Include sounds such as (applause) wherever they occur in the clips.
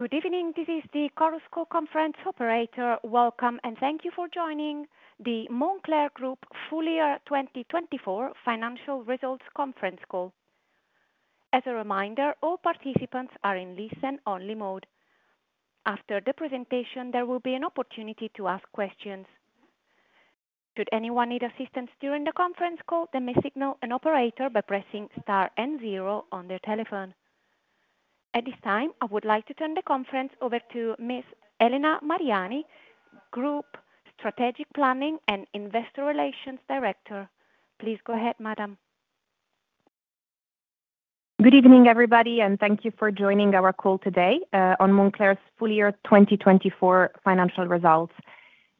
Good evening, this is the Chorus Call conference operator. Welcome, and thank you for joining the Moncler Group Full Year 2024 Financial Results Conference Call. As a reminder, all participants are in listen-only mode. After the presentation, there will be an opportunity to ask questions. Should anyone need assistance during the conference call, they may signal an operator by pressing star and zero on their telephone. At this time, I would like to turn the conference over to Miss Elena Mariani, Group Strategic Planning and Investor Relations Director. Please go ahead, madam. Good evening, everybody, and thank you for joining our call today on Moncler's Full Year 2024 Financial Results.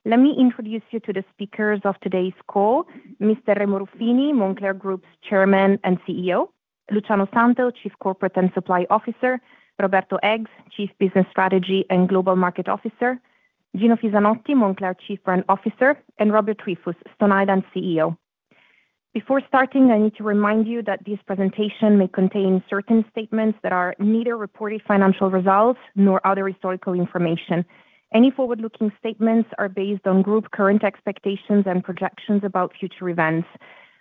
Let me introduce you to the speakers of today's call: Mr. Remo Ruffini, Moncler Group's Chairman and CEO; Luciano Santel, Chief Corporate and Supply Officer; Roberto Eggs, Chief Business Strategy and Global Market Officer; Gino Fisanotti, Moncler Chief Brand Officer; and Robert Triefus, Stone Island CEO. Before starting, I need to remind you that this presentation may contain certain statements that are neither reported financial results nor other historical information. Any forward-looking statements are based on the Group's current expectations and projections about future events.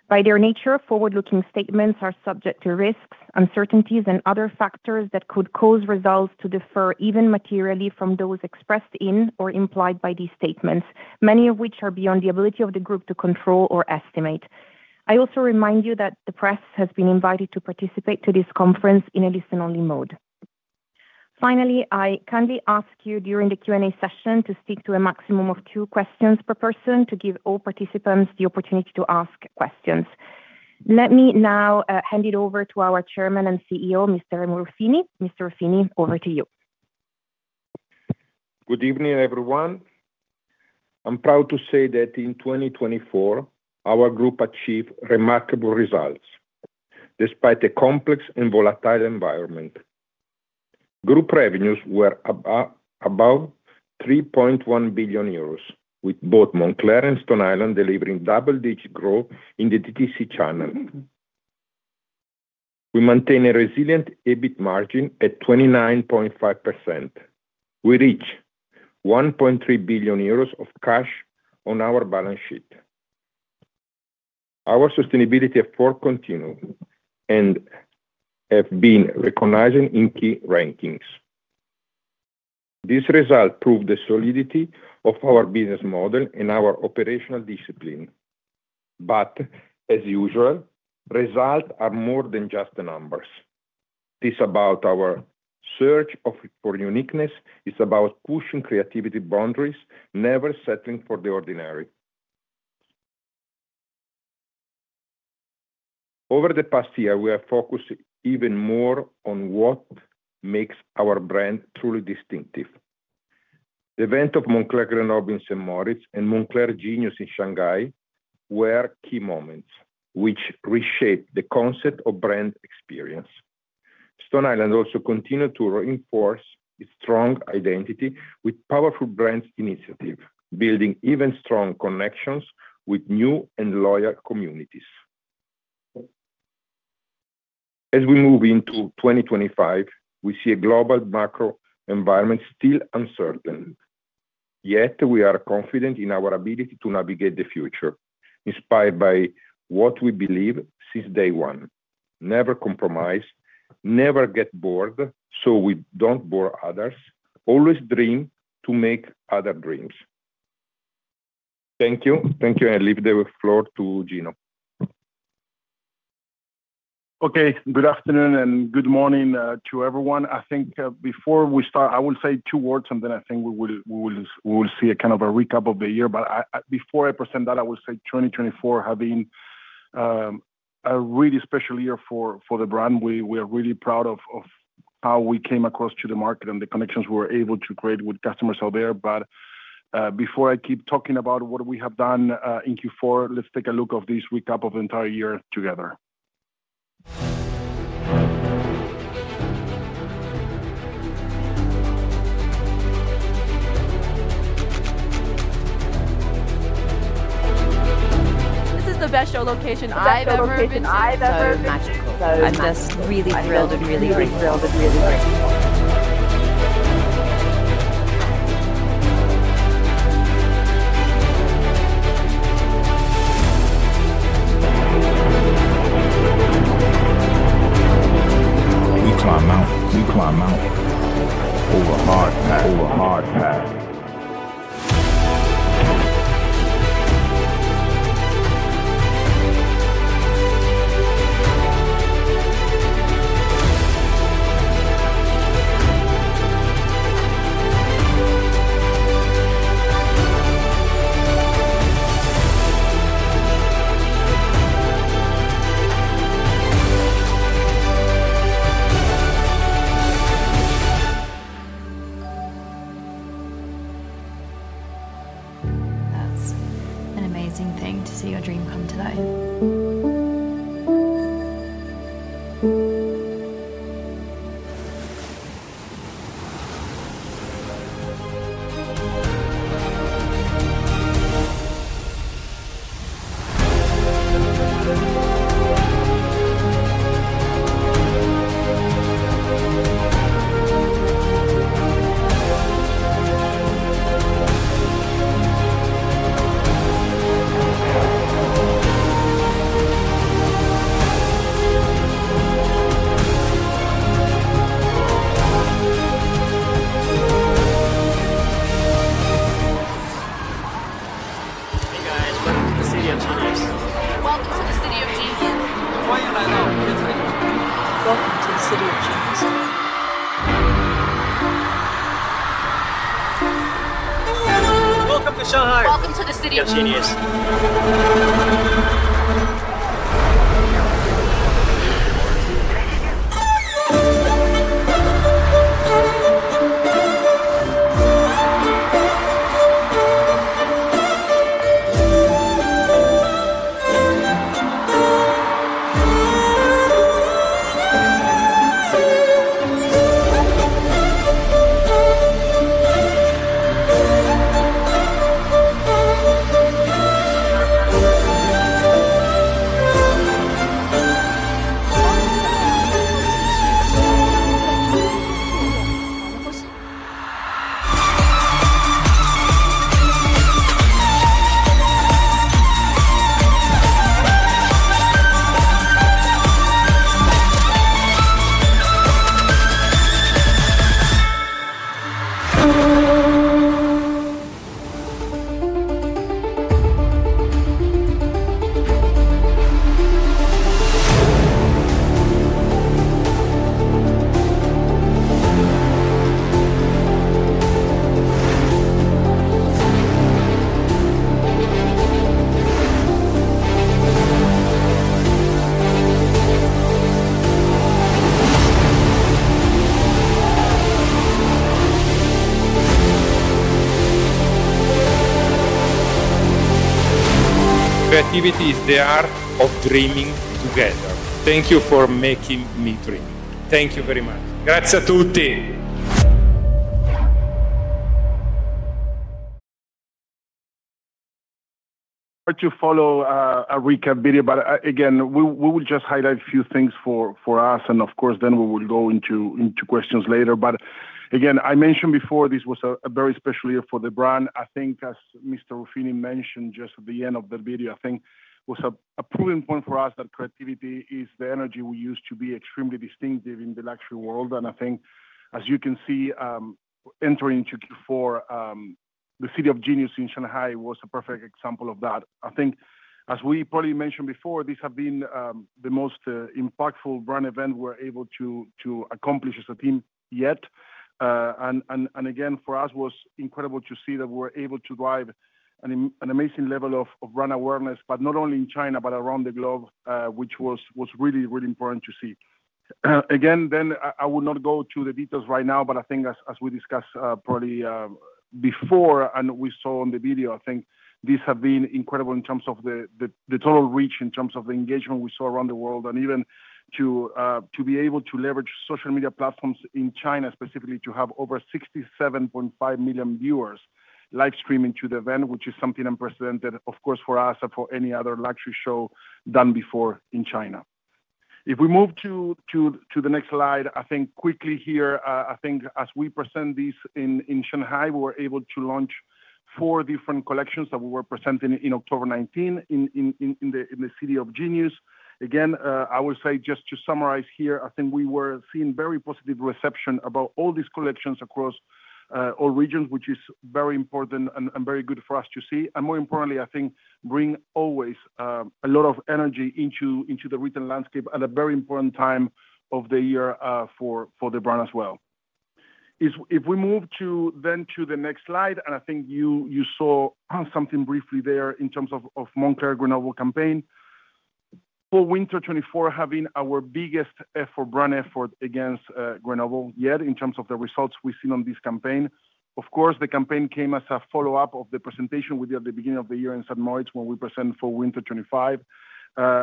By their nature, forward-looking statements are subject to risks, uncertainties, and other factors that could cause results to differ materially from those expressed in or implied by these statements, many of which are beyond the ability of the Group to control or estimate. I also remind you that the press has been invited to participate in this conference in a listen-only mode. Finally, I kindly ask you during the Q&A session to stick to a maximum of two questions per person to give all participants the opportunity to ask questions. Let me now hand it over to our Chairman and CEO, Mr. Ruffini. over to you. Good evening, everyone. I'm proud to say that in 2024, our Group achieved remarkable results despite a complex and volatile environment. Group revenues were above 3.1 billion euros, with both Moncler and Stone Island delivering double-digit growth in the DTC channel. We maintain a resilient EBIT margin at 29.5%. We reached 1.3 billion euros of cash on our balance sheet. Our sustainability efforts continue and have been recognized in key rankings. This result proves the solidity of our business model and our operational discipline. As usual, results are more than just the numbers. It's about our search for uniqueness. It's about pushing creativity boundaries, never settling for the ordinary. Over the past year, we have focused even more on what makes our brand truly distinctive. The event of Moncler Grenoble in St. Moritz and Moncler Genius in Shanghai were key moments, which reshaped the concept of brand experience. Stone Island also continued to reinforce its strong identity with powerful brand initiatives, building even stronger connections with new and loyal communities. As we move into 2025, we see a global macro environment still uncertain. Yet, we are confident in our ability to navigate the future, inspired by what we believe since day one: never compromise, never get bored, so we don't bore others, always dream to make other dreams. Thank you. Thank you, and I leave the floor to Gino. Okay, good afternoon and good morning to everyone. I think before we start, I will say two words, and then I think we will see a kind of a recap of the year. Before I present that, I will say 2024 has been a really special year for the brand. We are really proud of how we came across to the market and the connections we were able to create with customers out there. Before I keep talking about what we have done in Q4, let's take a look at this recap of the entire year together. This is the best show location I've ever been in. (crosstalk) We climb out. Over hard path. That's an amazing thing to see your dream come to life. is the art of dreaming together. Thank you for making me dream. Thank you very much. Grazie a tutti. I'd like to follow a recap video, but again, we will just highlight a few things for us, and of course, then we will go into questions later. Again, I mentioned before this was a very special year for the brand. I think, as Mr. Ruffini mentioned just at the end of the video, I think it was a proving point for us that creativity is the energy we use to be extremely distinctive in the luxury world. I think, as you can see, entering into Q4, the City of Genius in Shanghai was a perfect example of that. I think, as we probably mentioned before, these have been the most impactful brand events we were able to accomplish as a team yet. Again, for us, it was incredible to see that we were able to drive an amazing level of brand awareness, but not only in China, but around the globe, which was really, really important to see. Again, I will not go to the details right now, but I think, as we discussed probably before and we saw in the video, I think these have been incredible in terms of the total reach, in terms of the engagement we saw around the world, and even to be able to leverage social media platforms in China, specifically to have over 67.5 million viewers live streaming to the event, which is something unprecedented, of course, for us and for any other luxury show done before in China. If we move to the next slide, I think quickly here, I think as we present this in Shanghai, we were able to launch four different collections that we were presenting in October 2019 in the City of Genius. Again, I will say just to summarize here, I think we were seeing very positive reception about all these collections across all regions, which is very important and very good for us to see, and more importantly, I think bring always a lot of energy into the retail landscape at a very important time of the year for the brand as well. If we move then to the next slide, and I think you saw something briefly there in terms of Moncler Grenoble campaign for Winter 2024, having our biggest brand effort for Grenoble yet in terms of the results we've seen on this campaign. Of course, the campaign came as a follow-up of the presentation we did at the beginning of the year in St. Moritz when we presented for Winter 2025,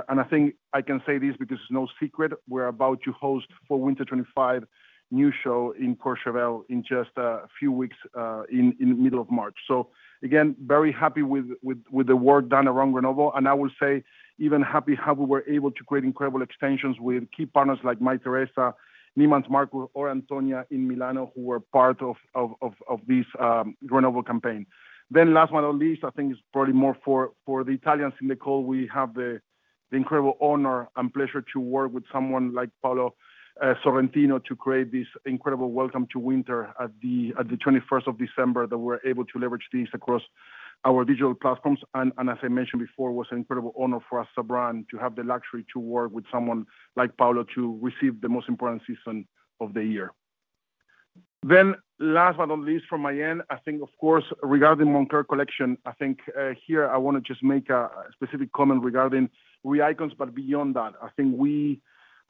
and I think I can say this because it's no secret, we're about to host for Winter 2025 new show in Courchevel in just a few weeks in the middle of March, so again, very happy with the work done around Grenoble, and I will say even happy how we were able to create incredible extensions with key partners like Mytheresa, Neiman Marcus, or Antonia in Milano, who were part of this Grenoble campaign. Then last but not least, I think it's probably more for the Italians in the call. We have the incredible honor and pleasure to work with someone like Paolo Sorrentino to create this incredible welcome to winter at the 21st of December that we were able to leverage this across our digital platforms. As I mentioned before, it was an incredible honor for us as a brand to have the luxury to work with someone like Paolo to receive the most important season of the year. Then last but not least from my end, I think, of course, regarding Moncler Collection, I think here I want to just make a specific comment regarding RE/ICONS, but beyond that, I think we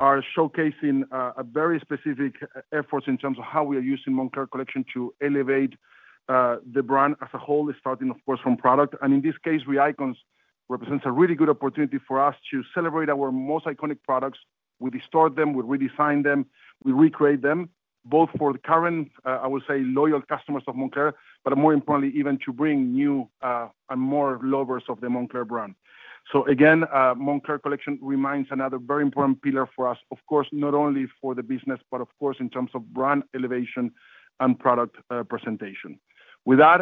are showcasing very specific efforts in terms of how we are using Moncler Collection to elevate the brand as a whole, starting, of course, from product. In this case, RE/ICONS represents a really good opportunity for us to celebrate our most iconic products. We restore them, we redesign them, we recreate them, both for the current, I will say, loyal customers of Moncler, but more importantly, even to bring new and more lovers of the Moncler brand. Again, Moncler Collection reminds another very important pillar for us, of course, not only for the business, but of course, in terms of brand elevation and product presentation. With that,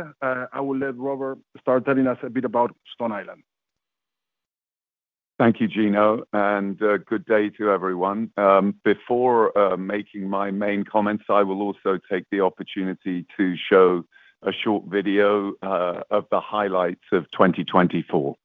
I will let Robert start telling us a bit about Stone Island. Thank you, Gino, and good day to everyone. Before making my main comments, I will also take the opportunity to show a short video of the highlights of 2024.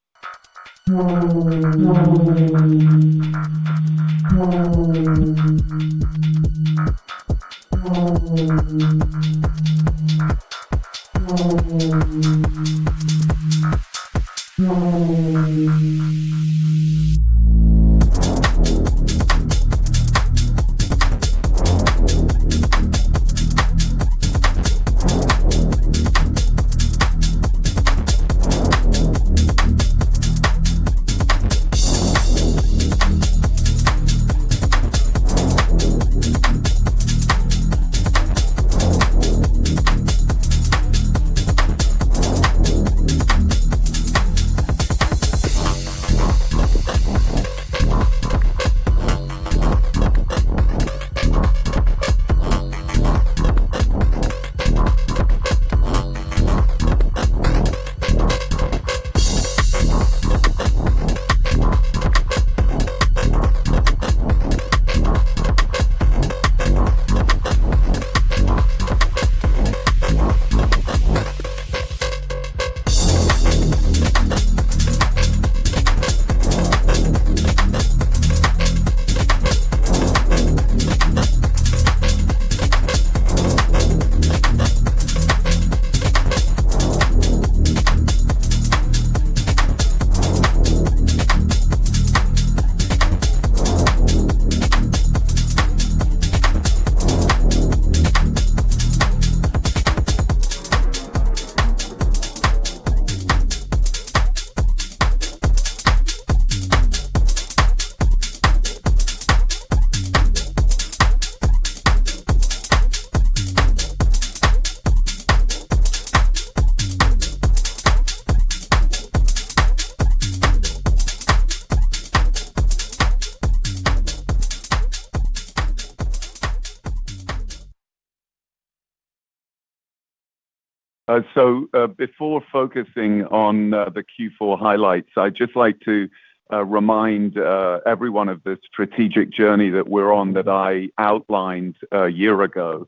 (inaudible) (inaudible) Before focusing on the Q4 highlights, I'd just like to remind everyone of the strategic journey that we're on that I outlined a year ago.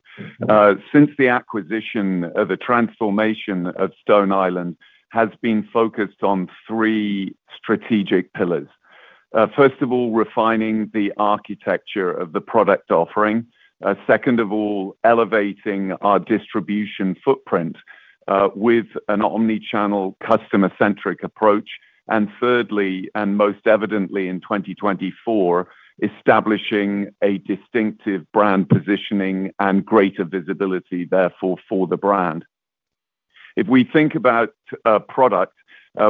Since the acquisition, the transformation of Stone Island has been focused on three strategic pillars. First of all, refining the architecture of the product offering. Second of all, elevating our distribution footprint with an omnichannel customer-centric approach. Thirdly, and most evidently in 2024, establishing a distinctive brand positioning and greater visibility, therefore, for the brand. If we think about product,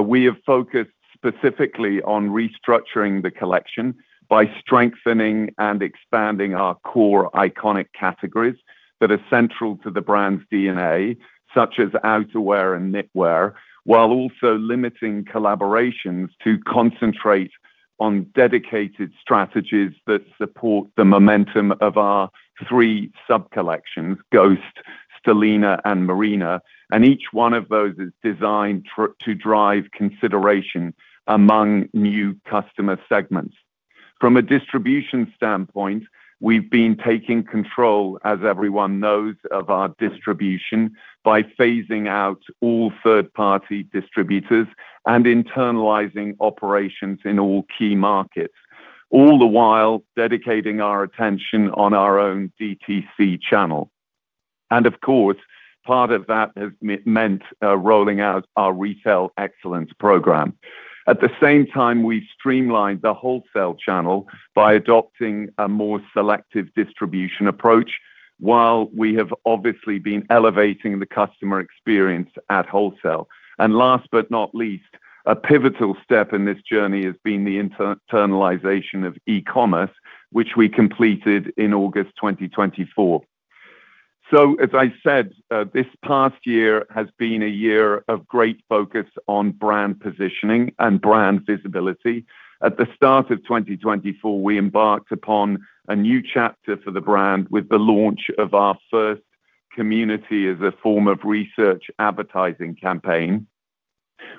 we have focused specifically on restructuring the collection by strengthening and expanding our core iconic categories that are central to the brand's DNA, such as outerwear and knitwear, while also limiting collaborations to concentrate on dedicated strategies that support the momentum of our three sub-collections, Ghost, Stellina, and Marina, and each one of those is designed to drive consideration among new customer segments. From a distribution standpoint, we've been taking control, as everyone knows, of our distribution by phasing out all third-party distributors and internalizing operations in all key markets, all the while dedicating our attention on our own DTC channel, and of course, part of that has meant rolling out our retail excellence program. At the same time, we've streamlined the wholesale channel by adopting a more selective distribution approach, while we have obviously been elevating the customer experience at wholesale. Last but not least, a pivotal step in this journey has been the internalization of e-commerce, which we completed in August 2024. As I said, this past year has been a year of great focus on brand positioning and brand visibility. At the start of 2024, we embarked upon a new chapter for the brand with the launch of our first community as a form of research advertising campaign,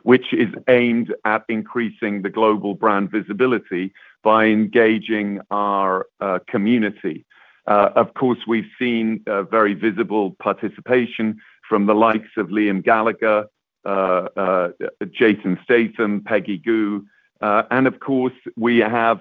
which is aimed at increasing the global brand visibility by engaging our community. Of course, we've seen very visible participation from the likes of Liam Gallagher, Jason Statham, Peggy Gou. Of course, we have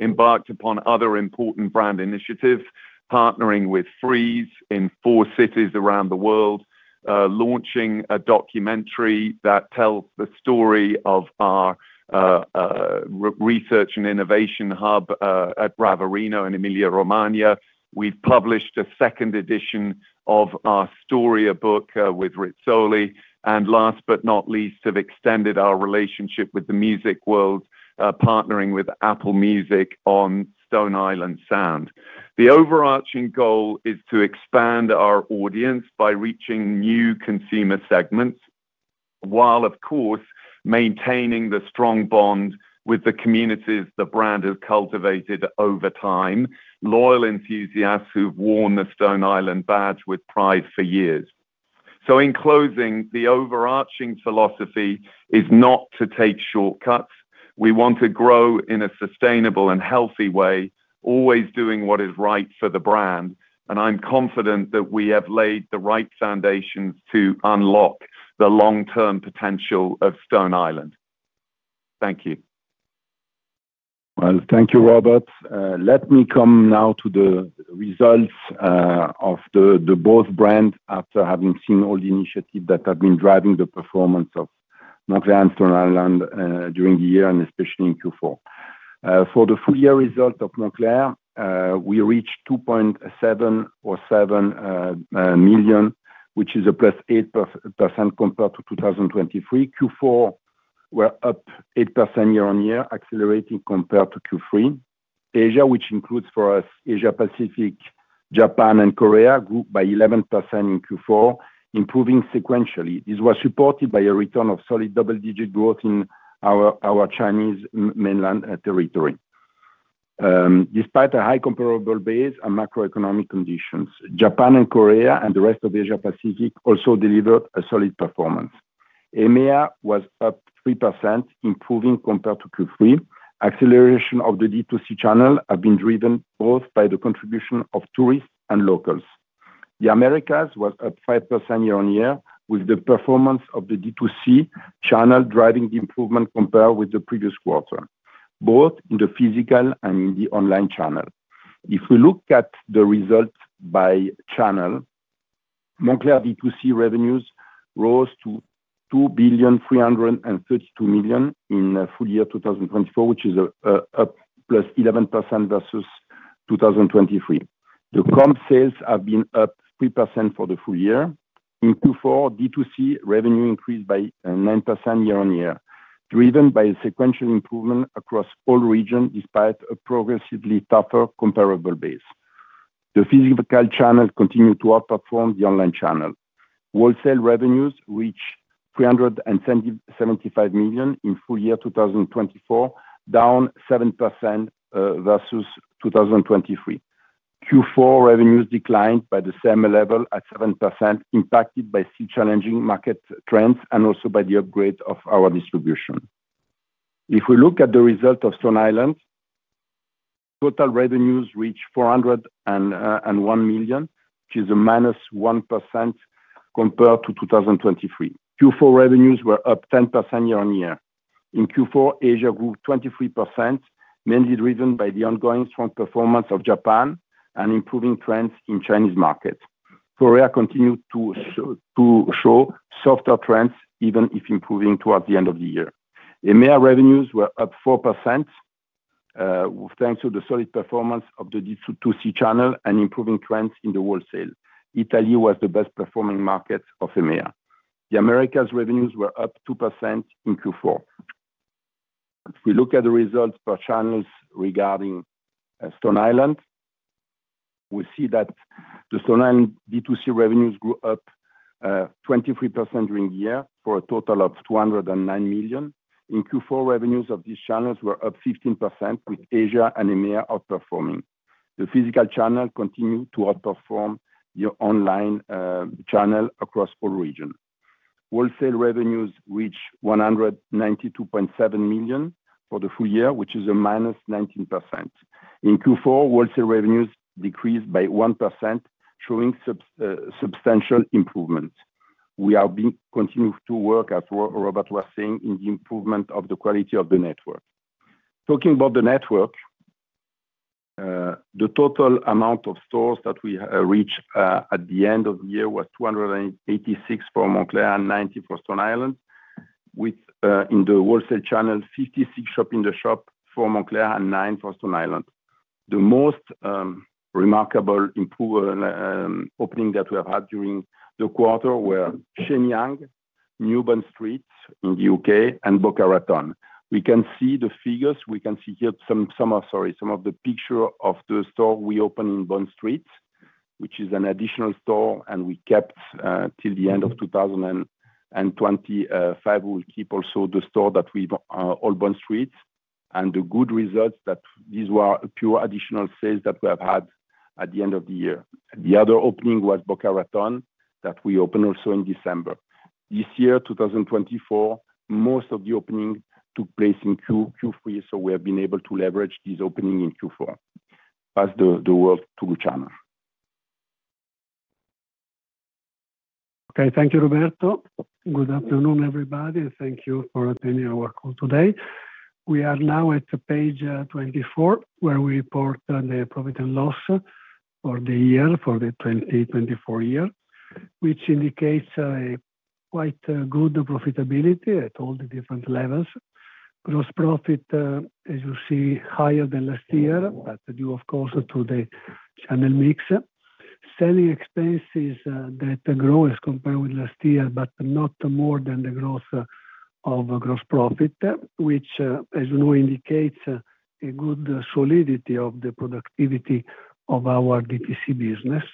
embarked upon other important brand initiatives, partnering with Frieze in four cities around the world, launching a documentary that tells the story of our research and innovation hub at Ravarino in Emilia Romagna. We've published a second edition of our storybook with Rizzoli. Last but not least, we've extended our relationship with the music world, partnering with Apple Music on Stone Island Sound. The overarching goal is to expand our audience by reaching new consumer segments, while, of course, maintaining the strong bond with the communities the brand has cultivated over time, loyal enthusiasts who've worn the Stone Island badge with pride for years. In closing, the overarching philosophy is not to take shortcuts. We want to grow in a sustainable and healthy way, always doing what is right for the brand. I'm confident that we have laid the right foundations to unlock the long-term potential of Stone Island. Thank you. Well, thank you, Robert. Let me come now to the results of both brands after having seen all the initiatives that have been driving the performance of Moncler and Stone Island during the year, and especially in Q4. For the full year result of Moncler, we reached 2.7 billion, which is +8% compared to 2023. Q4, we're up 8% year-on-year, accelerating compared to Q3. Asia, which includes for us Asia-Pacific, Japan, and Korea, grew by 11% in Q4, improving sequentially. This was supported by a return of solid double-digit growth in our Chinese mainland territory. Despite a high comparable base and macroeconomic conditions, Japan and Korea and the rest of Asia-Pacific also delivered a solid performance. EMEA was up 3%, improving compared to Q3. Acceleration of the DTC channel has been driven both by the contribution of tourists and locals. The Americas was up 5% year-on-year, with the performance of the DTC channel driving the improvement compared with the previous quarter, both in the physical and in the online channel. If we look at the results by channel, Moncler DTC revenues rose to 2.3 million in full year 2024, which is a +11% versus 2023. The comp sales have been up 3% for the full year. In Q4, DTC revenue increased by 9% year-on-year, driven by sequential improvement across all regions despite a progressively tougher comparable base. The physical channel continued to outperform the online channel. Wholesale revenues reached 375 million in full year 2024, down 7% versus 2023. Q4 revenues declined by the same level at 7%, impacted by still challenging market trends and also by the upgrade of our distribution. If we look at the results of Stone Island, total revenues reached 401 million, which is a -1% compared to 2023. Q4 revenues were up 10% year-on-year. In Q4, Asia grew 23%, mainly driven by the ongoing strong performance of Japan and improving trends in Chinese markets. Korea continued to show softer trends, even if improving towards the end of the year. EMEA revenues were up 4% thanks to the solid performance of the DTC channel and improving trends in the wholesale. Italy was the best-performing market of EMEA. The Americas revenues were up 2% in Q4. If we look at the results for channels regarding Stone Island, we see that the Stone Island DTC revenues grew up 23% during the year for a total of 209 million. In Q4, revenues of these channels were up 15%, with Asia and EMEA outperforming. The physical channel continued to outperform the online channel across all regions. Wholesale revenues reached 192.7 million for the full year, which is a -19%. In Q4, wholesale revenues decreased by 1%, showing substantial improvements. We are continuing to work, as Robert was saying, in the improvement of the quality of the network. Talking about the network, the total amount of stores that we reached at the end of the year was 286 for Moncler and 90 for Stone Island, with in the wholesale channel, 56 shop in the shop for Moncler and 9 for Stone Island. The most remarkable opening that we have had during the quarter were Shenyang, New Bond Street in the U.K., and Boca Raton. We can see the figures. We can see here some of, sorry, some of the pictures of the store we opened in New Bond Street, which is an additional store, and we kept till the end of 2025. We'll keep also the store that we've on New Bond Street. The good results that these were pure additional sales that we have had at the end of the year. The other opening was Boca Raton that we opened also in December. This year, 2024, most of the opening took place in Q3, so we have been able to leverage this opening in Q4. Pass the word to Gino. Okay, thank you, Roberto. Good afternoon, everybody, and thank you for attending our call today. We are now at page 24, where we report the profit and loss for the year, for the 2024 year, which indicates quite good profitability at all the different levels. Gross profit, as you see, higher than last year, but due, of course, to the channel mix. Selling expenses that grow as compared with last year, but not more than the growth of gross profit, which, as you know, indicates a good solidity of the productivity of our DTC business.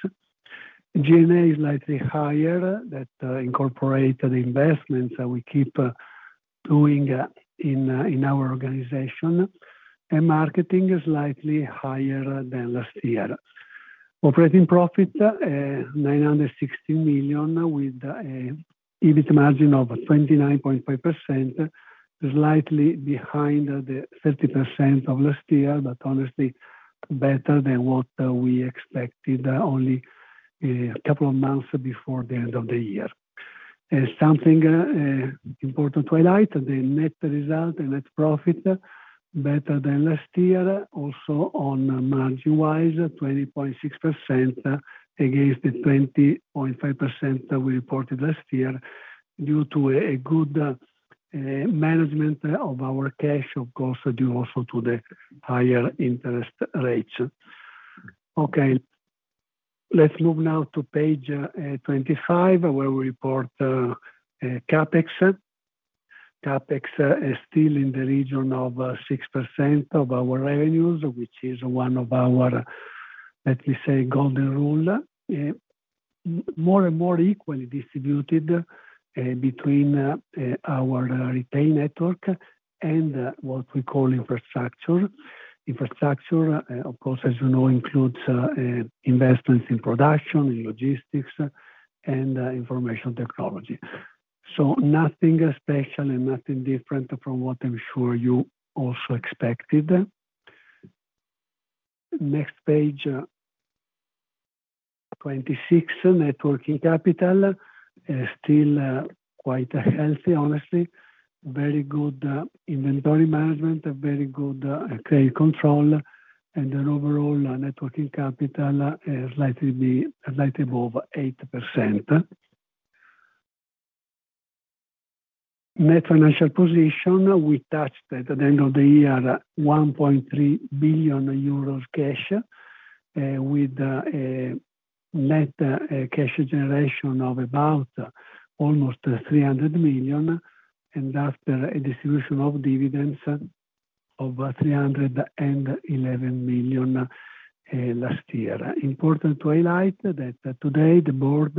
G&A is slightly higher than incorporated investments that we keep doing in our organization, and marketing is slightly higher than last year. Operating profit, 916 million, with an EBIT margin of 29.5%, slightly behind the 30% of last year, but honestly better than what we expected only a couple of months before the end of the year, and something important to highlight, the net result, the net profit, better than last year, also on margin-wise, 20.6% against the 20.5% we reported last year due to a good management of our cash, of course, due also to the higher interest rates. Okay, let's move now to page 25, where we report CapEx. CapEx is still in the region of 6% of our revenues, which is one of our, let me say, golden rule, more and more equally distributed between our retail network and what we call infrastructure. Infrastructure, of course, as you know, includes investments in production, in logistics, and information technology. Nothing special and nothing different from what I'm sure you also expected. Next page, 26, working capital, still quite healthy, honestly. Very good inventory management, very good trade control, and the overall working capital is slightly above 8%. Net financial position, we touched at the end of the year, 1.3 billion euros cash, with net cash generation of about almost 300 million, and after a distribution of dividends of 311 million last year. Important to highlight that today the board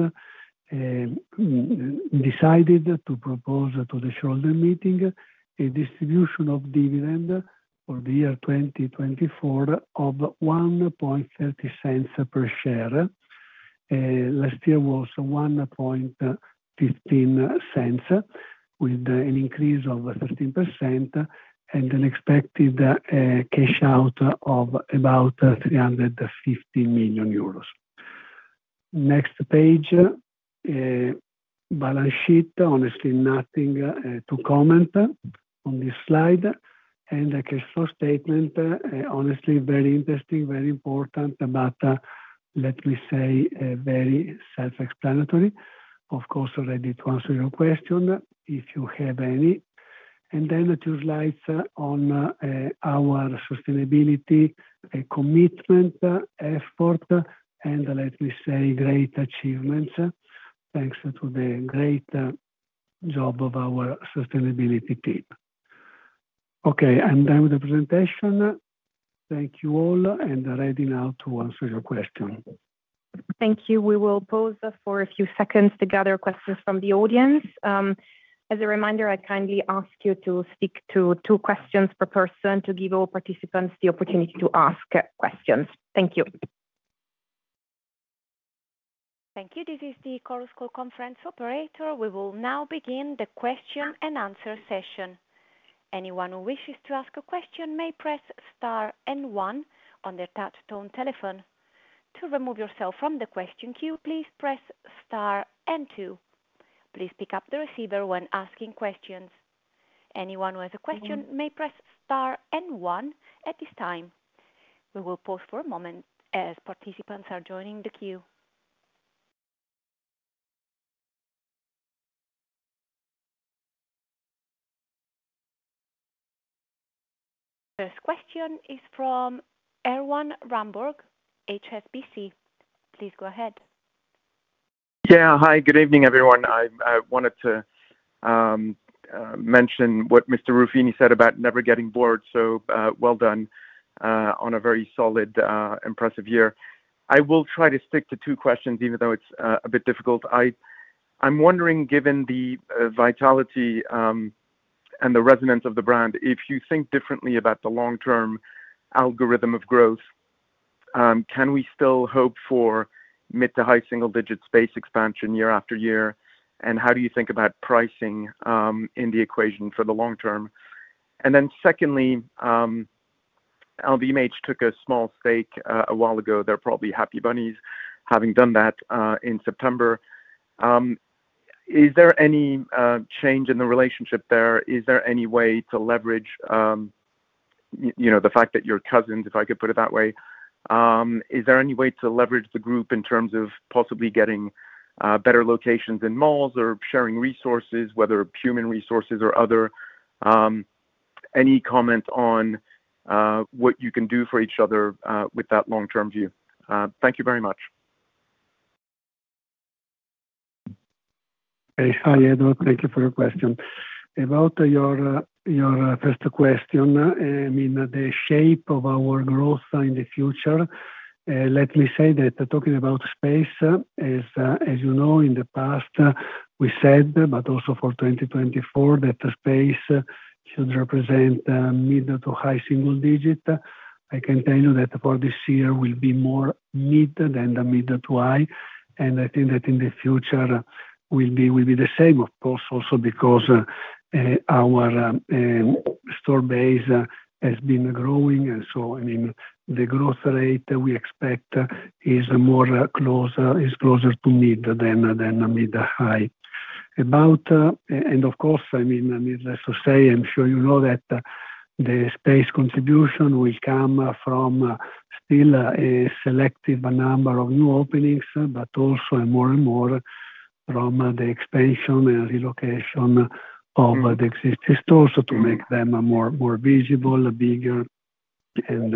decided to propose to the shareholders meeting a distribution of dividend for the year 2024 of 1.30 per share. Last year was 1.15, with an increase of 13% and an expected cash out of about 350 million euros. Next page, balance sheet, honestly nothing to comment on this slide. The cash flow statement, honestly, very interesting, very important, but let me say very self-explanatory. Of course, ready to answer your question if you have any. Then two slides on our sustainability commitment effort and, let me say, great achievements. Thanks to the great job of our sustainability team. Okay, I'm done with the presentation. Thank you all, and ready now to answer your question. Thank you. We will pause for a few seconds to gather questions from the audience. As a reminder, I kindly ask you to stick to two questions per person to give all participants the opportunity to ask questions. Thank you. Thank you. This is the Chorus Call conference operator. We will now begin the question and answer session. Anyone who wishes to ask a question may press star and one on their touch-tone telephone. To remove yourself from the question queue, please press star and two. Please pick up the receiver when asking questions. Anyone who has a question may press star and one at this time. We will pause for a moment as participants are joining the queue. First question is from Erwan Rambourg, HSBC. Please go ahead. Yeah, hi, good evening, everyone. I wanted to mention what Mr. Ruffini said about never getting bored. Well done on a very solid, impressive year. I will try to stick to two questions, even though it's a bit difficult. I'm wondering, given the vitality and the resonance of the brand, if you think differently about the long-term algorithm of growth, can we still hope for mid to high single-digit space expansion year-after-year? How do you think about pricing in the equation for the long term? Then secondly, LVMH took a small stake a while ago. They're probably happy bunnies having done that in September. Is there any change in the relationship there? Is there any way to leverage the fact that you're cousins, if I could put it that way? Is there any way to leverage the group in terms of possibly getting better locations in malls or sharing resources, whether human resources or other? Any comment on what you can do for each other with that long-term view? Thank you very much. Hi, Erwan. Thank you for your question. About your first question, I mean, the shape of our growth in the future, let me say that talking about space, as you know, in the past, we said, but also for 2024, that space should represent mid- to high-single-digit. I can tell you that for this year, we'll be more mid than the mid- to high. I think that in the future, we'll be the same, of course, also because our store base has been growing. I mean, the growth rate we expect is closer to mid than mid- to high. Of course, I mean, needless to say, I'm sure you know that the space contribution will come from still a selective number of new openings, but also more and more from the expansion and relocation of the existing stores to make them more visible, bigger, and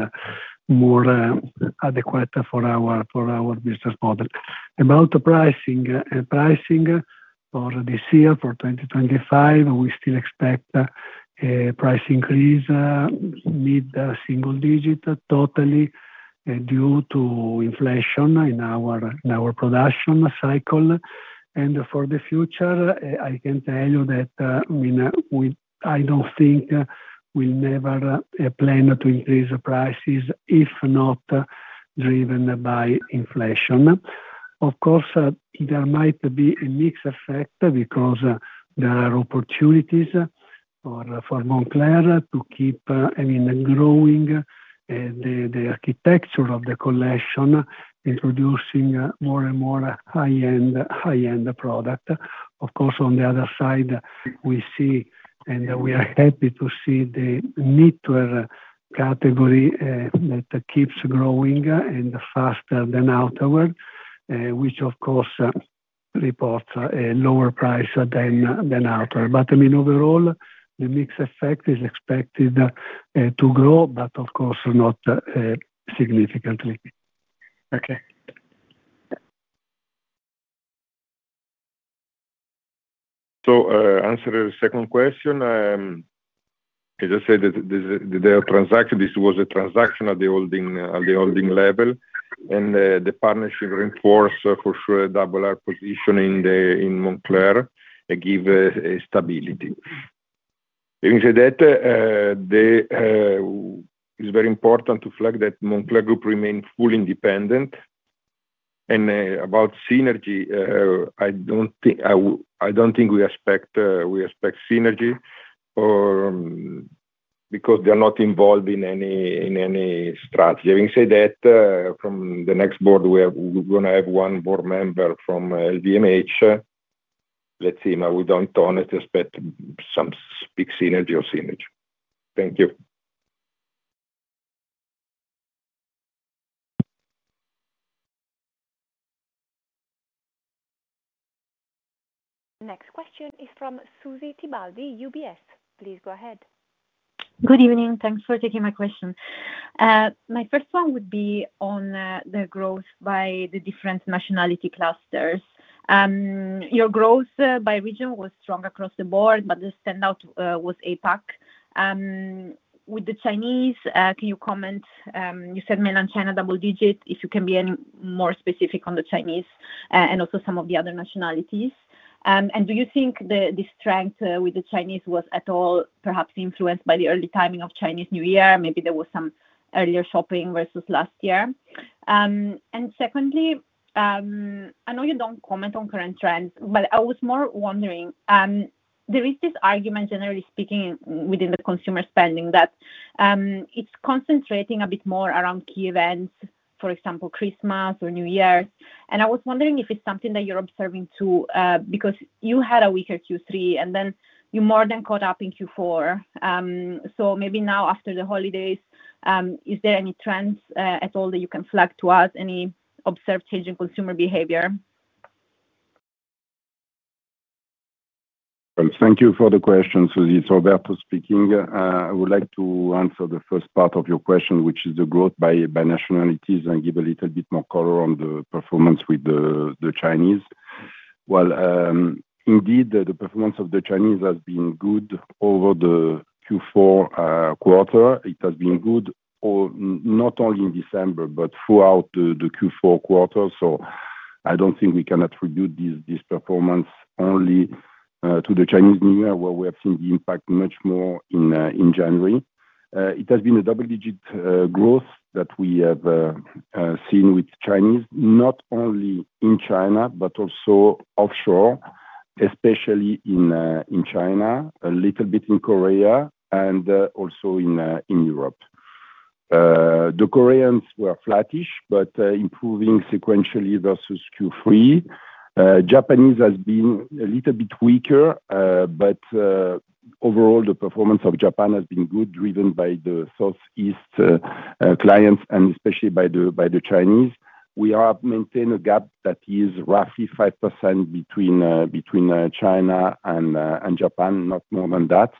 more adequate for our business model. About pricing, pricing for this year, for 2025, we still expect a price increase mid single digit totally due to inflation in our production cycle. For the future, I can tell you that I don't think we'll never plan to increase prices if not driven by inflation. Of course, there might be a mixed effect because there are opportunities for Moncler to keep, I mean, growing the architecture of the collection, introducing more and more high-end products. Of course, on the other side, we see, and we are happy to see the mid-tier category that keeps growing and faster than outerwear, which, of course, reports a lower price than outerwear. I mean, overall, the mix effect is expected to grow, but of course, not significantly. Okay. Answering the second question, as I said, this was a transaction at the holding level. The partnership reinforced, for sure, a Double R position in Moncler and gave stability. Having said that, it's very important to flag that Moncler Group remains fully independent. About synergy, I don't think we expect synergy because they're not involved in any strategy. Having said that, from the next board, we're going to have one board member from LVMH. Let's see if we don't honestly expect some big synergy or synergy. Thank you. Next question is from Susy Tibaldi, UBS. Please go ahead. Good evening. Thanks for taking my question. My first one would be on the growth by the different nationality clusters. Your growth by region was strong across the board, but the standout was APAC. With the Chinese, can you comment? You said Mainland China, double digit, if you can be more specific on the Chinese and also some of the other nationalities. Do you think the strength with the Chinese was at all perhaps influenced by the early timing of Chinese New Year? Maybe there was some earlier shopping versus last year. Secondly, I know you don't comment on current trends, but I was more wondering, there is this argument, generally speaking, within the consumer spending that it's concentrating a bit more around key events, for example, Christmas or New Year's. I was wondering if it's something that you're observing too, because you had a weaker Q3, and then you more than caught up in Q4. Maybe now, after the holidays, is there any trends at all that you can flag to us? Any observed change in consumer behavior? Thank you for the question, Susy. Roberto speaking. I would like to answer the first part of your question, which is the growth by nationalities, and give a little bit more color on the performance with the Chinese. Indeed, the performance of the Chinese has been good over the Q4 quarter. It has been good not only in December, but throughout the Q4 quarter. I don't think we can attribute this performance only to the Chinese New Year, where we have seen the impact much more in January. It has been a double-digit growth that we have seen with Chinese, not only in China, but also offshore, especially in China, a little bit in Korea, and also in Europe. The Koreans were flattish, but improving sequentially versus Q3. Japanese has been a little bit weaker, but overall, the performance of Japan has been good, driven by the Southeast clients, and especially by the Chinese. We have maintained a gap that is roughly 5% between China and Japan, not more than that.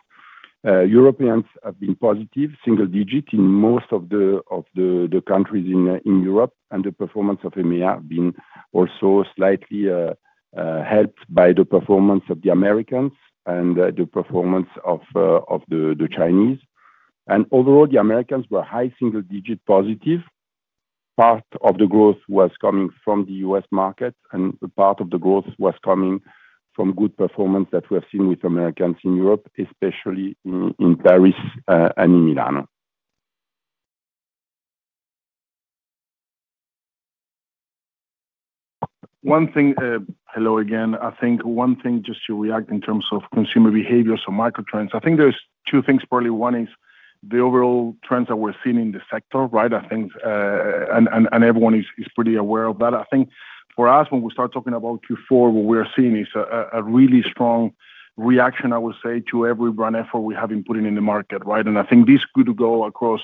Europeans have been positive, single digit in most of the countries in Europe, and the performance of EMEA has been also slightly helped by the performance of the Americans and the performance of the Chinese. Overall, the Americans were high single digit positive. Part of the growth was coming from the U.S. market, and part of the growth was coming from good performance that we have seen with Americans in Europe, especially in Paris and in Milano. One thing. Hello again. I think one thing just to react in terms of consumer behaviors or microtrends. I think there's two things, probably. One is the overall trends that we're seeing in the sector, right? I think and everyone is pretty aware of that. I think for us, when we start talking about Q4, what we are seeing is a really strong reaction, I would say, to every brand effort we have been putting in the market, right, and I think this could go across,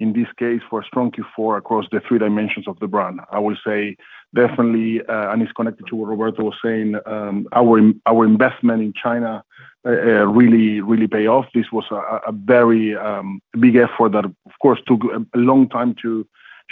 in this case, for a strong Q4 across the three dimensions of the brand. I would say definitely, and it's connected to what Roberto was saying, our investment in China really paid off. This was a very big effort that, of course, took a long time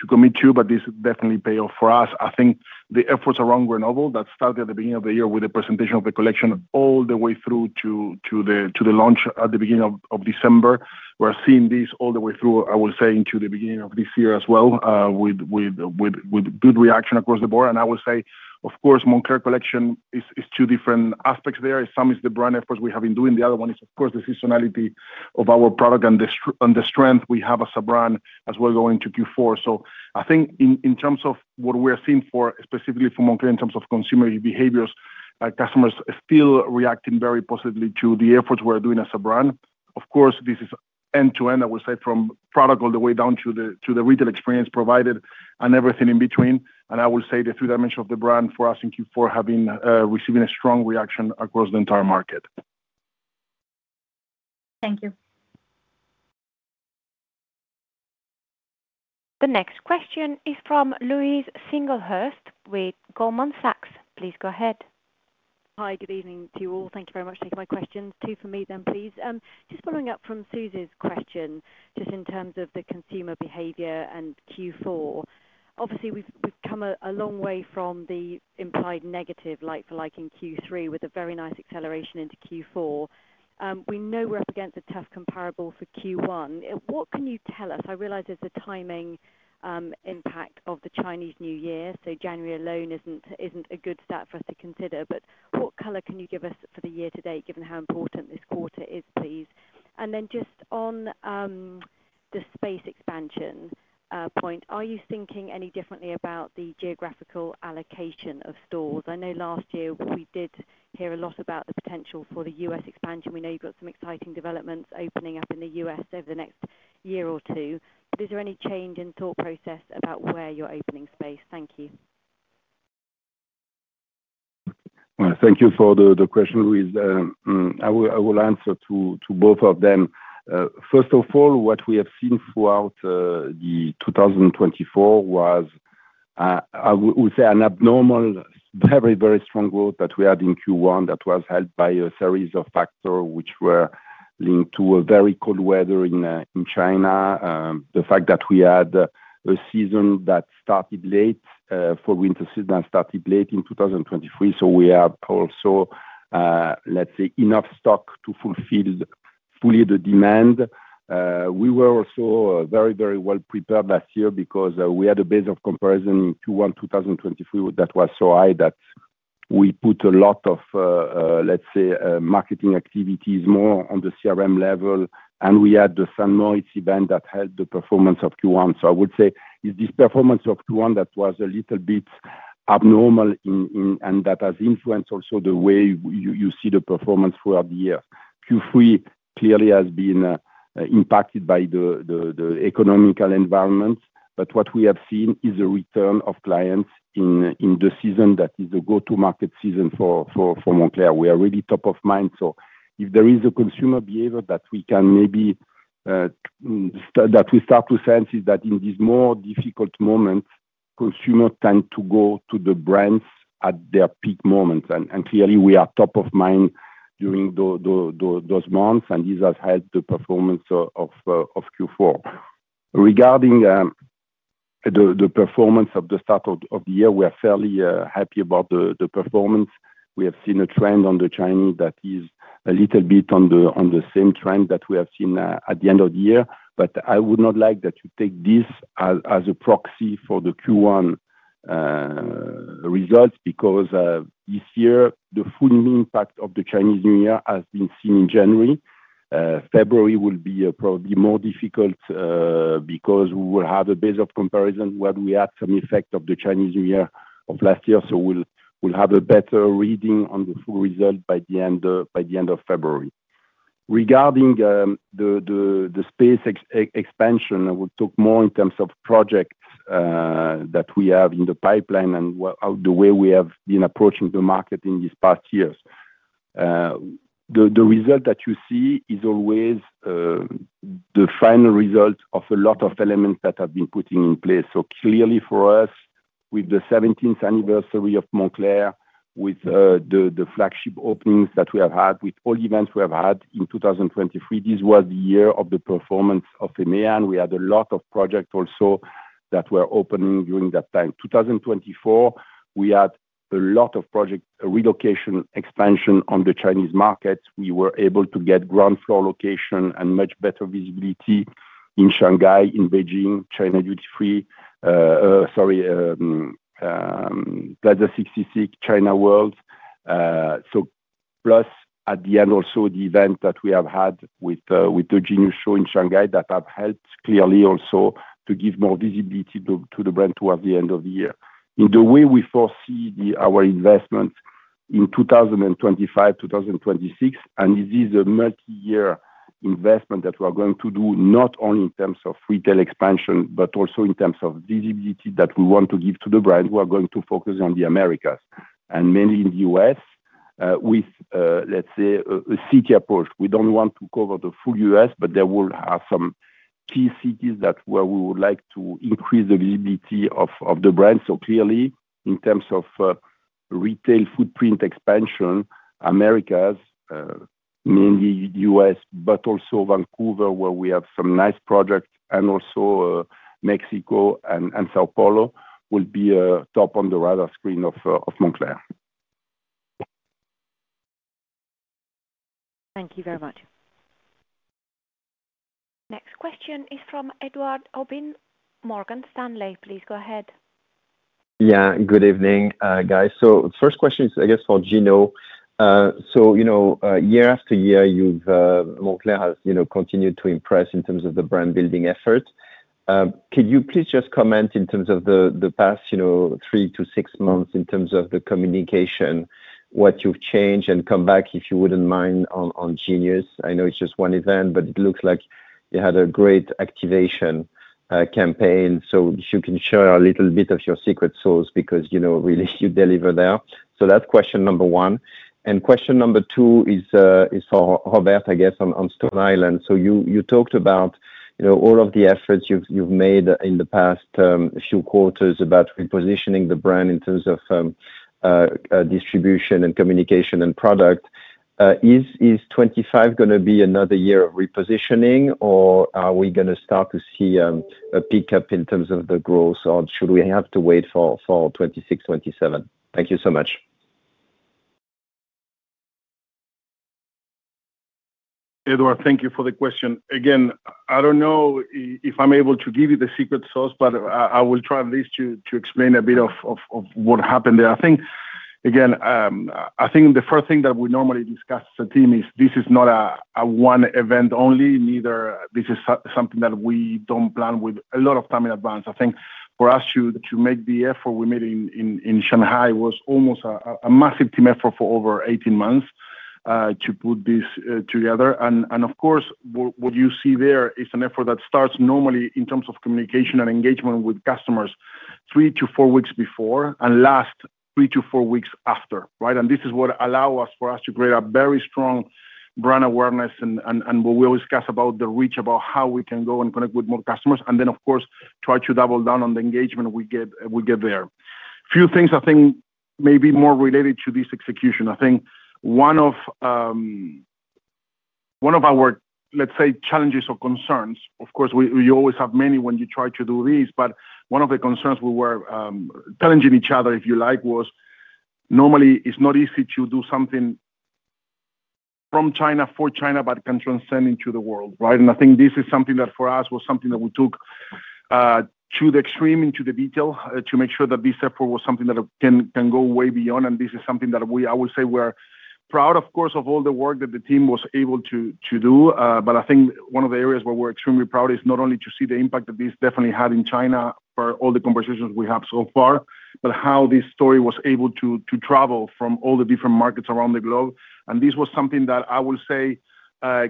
to commit to, but this definitely paid off for us. I think the efforts around Grenoble that started at the beginning of the year with the presentation of the collection, all the way through to the launch at the beginning of December, we're seeing this all the way through, I would say, into the beginning of this year as well, with good reaction across the board, and I would say, of course, Moncler Collection is two different aspects there. Some is the brand efforts we have been doing. The other one is, of course, the seasonality of our product and the strength we have as a brand as we're going to Q4, so I think in terms of what we are seeing for, specifically for Moncler, in terms of consumer behaviors, customers are still reacting very positively to the efforts we're doing as a brand. Of course, this is end-to-end, I would say, from product all the way down to the retail experience provided and everything in between. I will say the three dimensions of the brand for us in Q4 have been receiving a strong reaction across the entire market. Thank you. The next question is from Louise Singlehurst with Goldman Sachs. Please go ahead. Hi, good evening to you all. Thank you very much for taking my questions. Two for me then, please. Just following up from Susy's question, just in terms of the consumer behavior and Q4. Obviously, we've come a long way from the implied negative like-for-like in Q3 with a very nice acceleration into Q4. We know we're up against a tough comparable for Q1. What can you tell us? I realize there's a timing impact of the Chinese New Year. January alone isn't a good stat for us to consider. What color can you give us for the year to date, given how important this quarter is, please? Then just on the space expansion point, are you thinking any differently about the geographical allocation of stores? I know last year we did hear a lot about the potential for the U.S. expansion. We know you've got some exciting developments opening up in the U.S. over the next year or two. Is there any change in thought process about where you're opening space? Thank you. Thank you for the question, Louise. I will answer to both of them. First of all, what we have seen throughout the 2024 was, I would say, an abnormal, very, very strong growth that we had in Q1 that was helped by a series of factors which were linked to very cold weather in China. The fact that we had a season that started late for winter season that started late in 2023. We have also, let's say, enough stock to fulfill fully the demand. We were also very, very well prepared last year because we had a base of comparison in Q1 2023 that was so high that we put a lot of, let's say, marketing activities more on the CRM level. We had the St. Moritz event that helped the performance of Q1. I would say it's this performance of Q1 that was a little bit abnormal and that has influenced also the way you see the performance throughout the year. Q3 clearly has been impacted by the economic environment. What we have seen is a return of clients in the season that is the go-to-market season for Moncler. We are really top of mind. If there is a consumer behavior that we can maybe start to sense is that in these more difficult moments, consumers tend to go to the brands at their peak moments. Clearly, we are top of mind during those months, and this has helped the performance of Q4. Regarding the performance of the start of the year, we are fairly happy about the performance. We have seen a trend on the Chinese that is a little bit on the same trend that we have seen at the end of the year. I would not like that you take this as a proxy for the Q1 results because this year, the full impact of the Chinese New Year has been seen in January. February will be probably more difficult because we will have a base of comparison where we had some effect of the Chinese New Year of last year. We'll have a better reading on the full result by the end of February. Regarding the space expansion, I will talk more in terms of projects that we have in the pipeline and the way we have been approaching the market in these past years. The result that you see is always the final result of a lot of elements that have been put in place. Clearly, for us, with the 17th anniversary of Moncler, with the flagship openings that we have had, with all events we have had in 2023, this was the year of the performance of EMEA, and we had a lot of projects also that were opening during that time. 2024, we had a lot of project relocation expansion on the Chinese markets. We were able to get ground floor location and much better visibility in Shanghai, in Beijing, China Duty Free, sorry, Plaza 66, China World. Plus at the end, also the event that we have had with the Genius Show in Shanghai that have helped clearly also to give more visibility to the brand towards the end of the year. In the way we foresee our investments in 2025, 2026, and this is a multi-year investment that we are going to do not only in terms of retail expansion, but also in terms of visibility that we want to give to the brand. We are going to focus on the Americas and mainly in the U.S. with, let's say, a city approach. We don't want to cover the full U.S., but there will have some key cities where we would like to increase the visibility of the brand. Clearly, in terms of retail footprint expansion, Americas, mainly U.S., but also Vancouver, where we have some nice projects, and also Mexico and São Paulo will be top on the radar screen of Moncler. Thank you very much. Next question is from Edouard Aubin, Morgan Stanley. Please go ahead. Yeah, good evening, guys. The first question is, I guess, for Gino. Year-after-year, Moncler has continued to impress in terms of the brand-building effort. Could you please just comment in terms of the past three to six months in terms of the communication, what you've changed? Come back, if you wouldn't mind, on Genius. I know it's just one event, but it looks like you had a great activation campaign. If you can share a little bit of your secret sauce because really you deliver there. That's question number one. Question number two is for Robert, I guess, on Stone Island. You talked about all of the efforts you've made in the past few quarters about repositioning the brand in terms of distribution and communication and product. Is 2025 going to be another year of repositioning, or are we going to start to see a pickup in terms of the growth, or should we have to wait for 2026, 2027? Thank you so much. Edouard, thank you for the question. Again, I don't know if I'm able to give you the secret sauce, but I will try at least to explain a bit of what happened there. I think, again, I think the first thing that we normally discuss as a team is this is not a one event only. Neither this is something that we don't plan with a lot of time in advance. I think for us to make the effort we made in Shanghai was almost a massive team effort for over 18 months to put this together. Of course, what you see there is an effort that starts normally in terms of communication and engagement with customers three to four weeks before and last three to four weeks after, right? This is what allows us to create a very strong brand awareness and what we always discuss about the reach about how we can go and connect with more customers. Then, of course, try to double down on the engagement we get there. Few things, I think, may be more related to this execution. I think one of our, let's say, challenges or concerns, of course, we always have many when you try to do this, but one of the concerns we were challenging each other, if you like, was normally it's not easy to do something from China for China, but can transcend into the world, right? I think this is something that for us we took to the extreme into the detail to make sure that this effort was something that can go way beyond. This is something that I would say we're proud, of course, of all the work that the team was able to do. I think one of the areas where we're extremely proud is not only to see the impact that this definitely had in China for all the conversations we have so far, but how this story was able to travel from all the different markets around the globe. This was something that I will say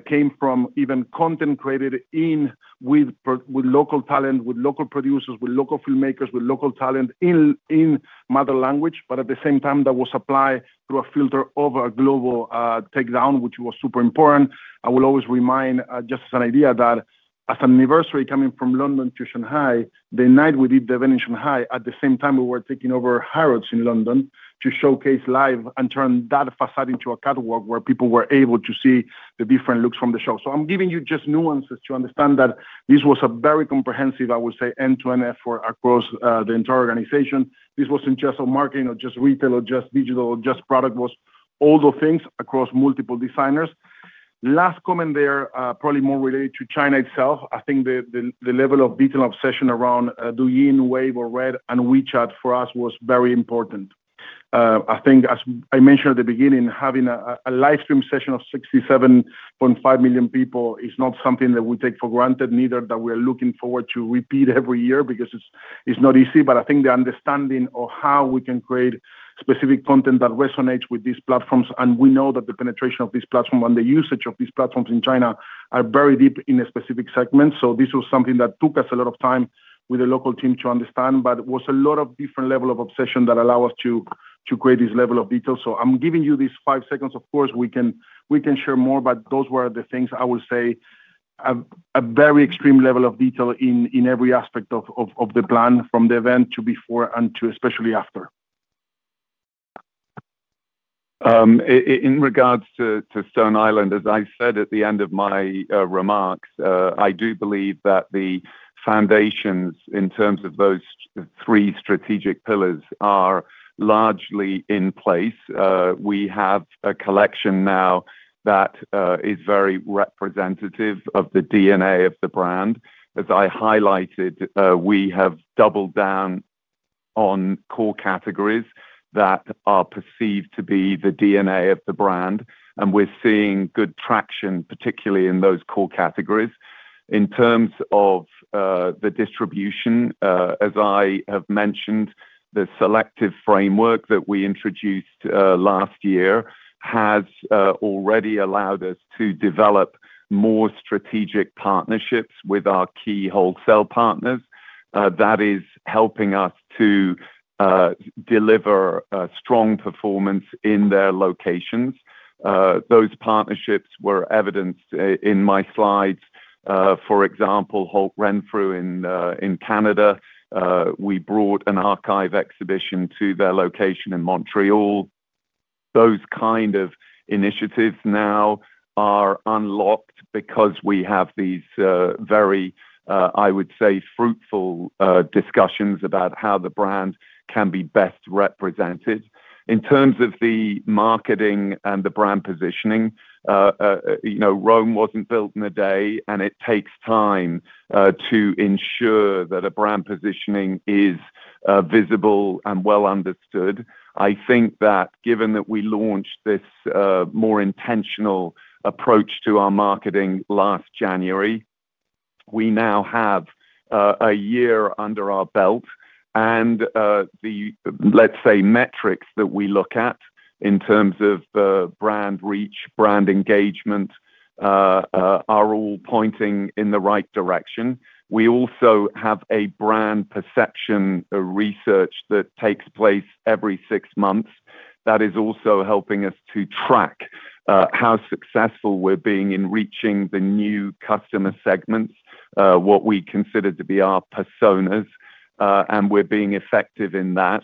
came from even content created in with local talent, with local producers, with local filmmakers, with local talent in mother language, but at the same time, that was applied through a filter over a global takedown, which was super important. I will always remind just as an idea that as an anniversary coming from London to Shanghai, the night we did the event in Shanghai, at the same time, we were taking over Harrods in London to showcase live and turn that facade into a catwalk where people were able to see the different looks from the show. I'm giving you just nuances to understand that this was a very comprehensive, I would say, end-to-end effort across the entire organization. This wasn't just a marketing or just retail or just digital or just product. It was all the things across multiple designers. Last comment there, probably more related to China itself. I think the level of detail and obsession around Douyin, Weibo, RED and WeChat for us was very important. I think, as I mentioned at the beginning, having a livestream session of 67.5 million people is not something that we take for granted, neither that we are looking forward to repeat every year because it's not easy, but I think the understanding of how we can create specific content that resonates with these platforms, and we know that the penetration of these platforms and the usage of these platforms in China are very deep in a specific segment, so this was something that took us a lot of time with the local team to understand, but it was a lot of different levels of obsession that allow us to create this level of detail, so I'm giving you these five seconds. Of course, we can share more, but those were the things I will say, a very extreme level of detail in every aspect of the plan from the event to before and to especially after. In regards to Stone Island, as I said at the end of my remarks, I do believe that the foundations in terms of those three strategic pillars are largely in place. We have a collection now that is very representative of the DNA of the brand. As I highlighted, we have doubled down on core categories that are perceived to be the DNA of the brand. We're seeing good traction, particularly in those core categories. In terms of the distribution, as I have mentioned, the selective framework that we introduced last year has already allowed us to develop more strategic partnerships with our key wholesale partners. That is helping us to deliver strong performance in their locations. Those partnerships were evidenced in my slides. For example, Holt Renfrew in Canada, we brought an archive exhibition to their location in Montreal. Those kind of initiatives now are unlocked because we have these very, I would say, fruitful discussions about how the brand can be best represented. In terms of the marketing and the brand positioning, Rome wasn't built in a day, and it takes time to ensure that a brand positioning is visible and well understood. I think that given that we launched this more intentional approach to our marketing last January, we now have a year under our belt, and the, let's say, metrics that we look at in terms of brand reach, brand engagement are all pointing in the right direction. We also have a brand perception research that takes place every six months that is also helping us to track how successful we're being in reaching the new customer segments, what we consider to be our personas, and we're being effective in that.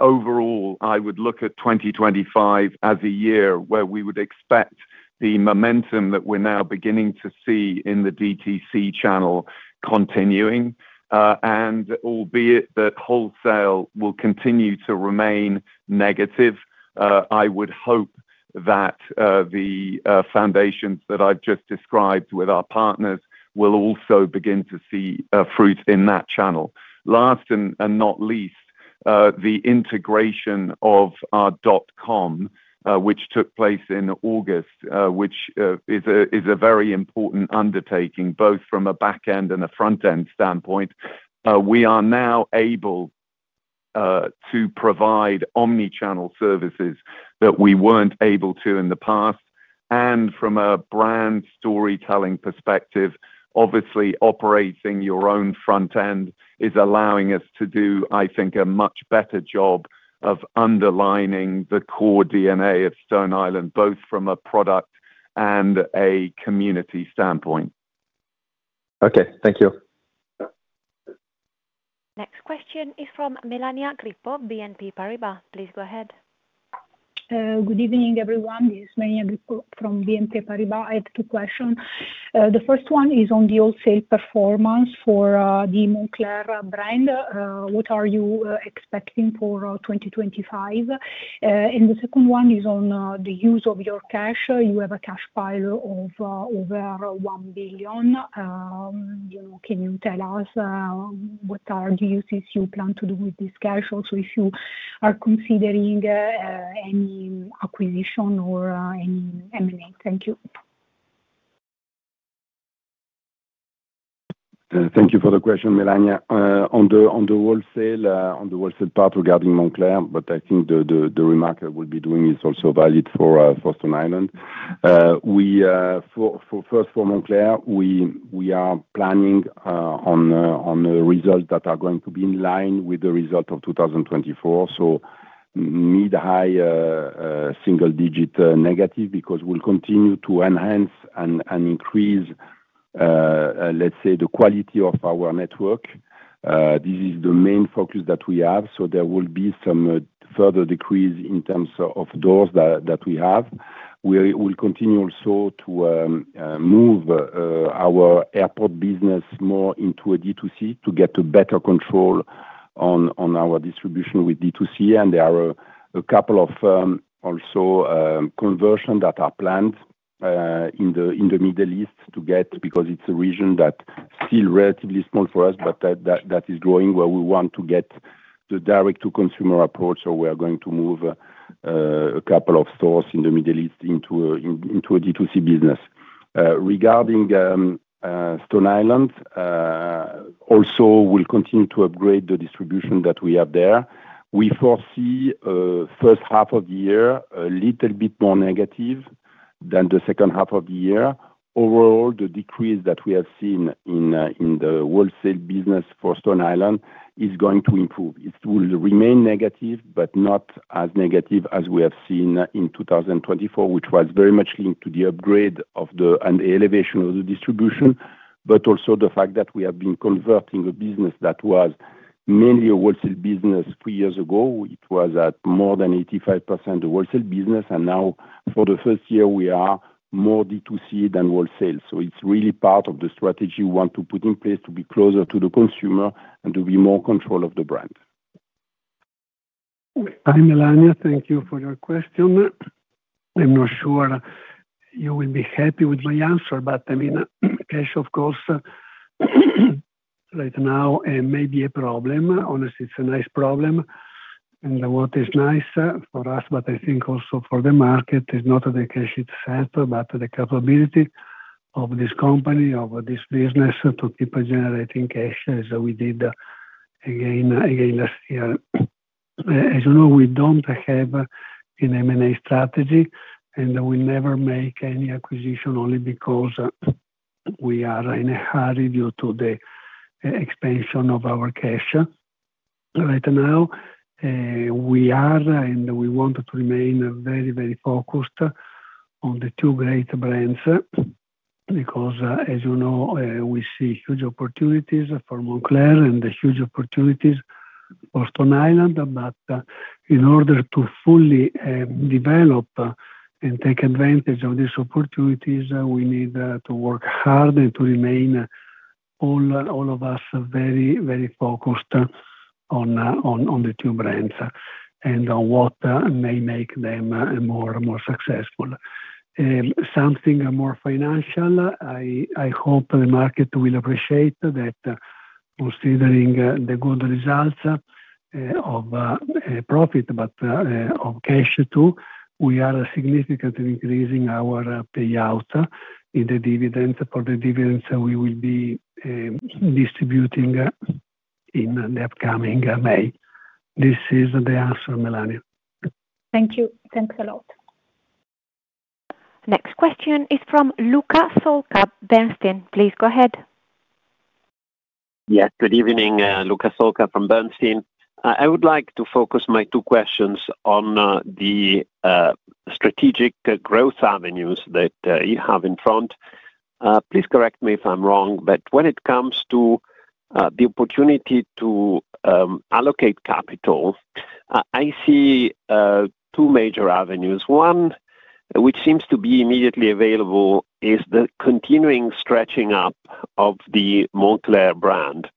Overall, I would look at 2025 as a year where we would expect the momentum that we're now beginning to see in the DTC channel continuing. Albeit that wholesale will continue to remain negative, I would hope that the foundations that I've just described with our partners will also begin to see fruit in that channel. Last and not least, the integration of our dot-com, which took place in August, which is a very important undertaking both from a backend and a frontend standpoint. We are now able to provide omnichannel services that we weren't able to in the past. From a brand storytelling perspective, obviously, operating your own frontend is allowing us to do, I think, a much better job of underlining the core DNA of Stone Island, both from a product and a community standpoint. Okay, thank you. Next question is from Melania Grippo, BNP Paribas. Please go ahead. Good evening, everyone. This is Melania Grippo from BNP Paribas. I have two questions. The first one is on the wholesale performance for the Moncler brand. What are you expecting for 2025? The second one is on the use of your cash. You have a cash pile of over 1 billion. Can you tell us what are the uses you plan to do with this cash? Also, if you are considering any acquisition or any M&A? Thank you. Thank you for the question, Melania. On the wholesale part regarding Moncler, but I think the remark I will be doing is also valid for Stone Island. First, for Moncler, we are planning on results that are going to be in line with the result of 2024. Mid-high single-digit negative because we'll continue to enhance and increase, let's say, the quality of our network. This is the main focus that we have. There will be some further decrease in terms of doors that we have. We will continue also to move our airport business more into a DTC to get a better control on our distribution with DTC. There are a couple of also conversions that are planned in the Middle East to get because it's a region that's still relatively small for us, but that is growing where we want to get the direct-to-consumer approach. We are going to move a couple of stores in the Middle East into a DTC business. Regarding Stone Island, also, we'll continue to upgrade the distribution that we have there. We foresee the first half of the year a little bit more negative than the second half of the year. Overall, the decrease that we have seen in the wholesale business for Stone Island is going to improve. It will remain negative, but not as negative as we have seen in 2024, which was very much linked to the upgrade and the elevation of the distribution, but also the fact that we have been converting a business that was mainly a wholesale business three years ago. It was at more than 85% of wholesale business. Now, for the first year, we are more DTC than wholesale. It's really part of the strategy we want to put in place to be closer to the consumer and to be more in control of the brand. Hi, Melania. Thank you for your question. I'm not sure you will be happy with my answer, but I mean, cash, of course, right now may be a problem. Honestly, it's a nice problem, and what is nice for us, but I think also for the market, is not the cash itself, but the capability of this company, of this business to keep generating cash as we did again last year. As you know, we don't have an M&A strategy, and we never make any acquisition only because we are in a hurry due to the expansion of our cash. Right now, we are and we want to remain very, very focused on the two great brands because, as you know, we see huge opportunities for Moncler and huge opportunities for Stone Island. In order to fully develop and take advantage of these opportunities, we need to work hard and to remain all of us very, very focused on the two brands and on what may make them more successful. Something more financial. I hope the market will appreciate that, considering the good results of profit, but of cash too. We are significantly increasing our payout in the dividend for the dividends that we will be distributing in the upcoming May. This is the answer, Melania. Thank you. Thanks a lot. Next question is from Luca Solca, Bernstein. Please go ahead. Yes, good evening, Luca Solca from Bernstein. I would like to focus my two questions on the strategic growth avenues that you have in front. Please correct me if I'm wrong, but when it comes to the opportunity to allocate capital, I see two major avenues. One, which seems to be immediately available, is the continuing stretching up of the Moncler brand.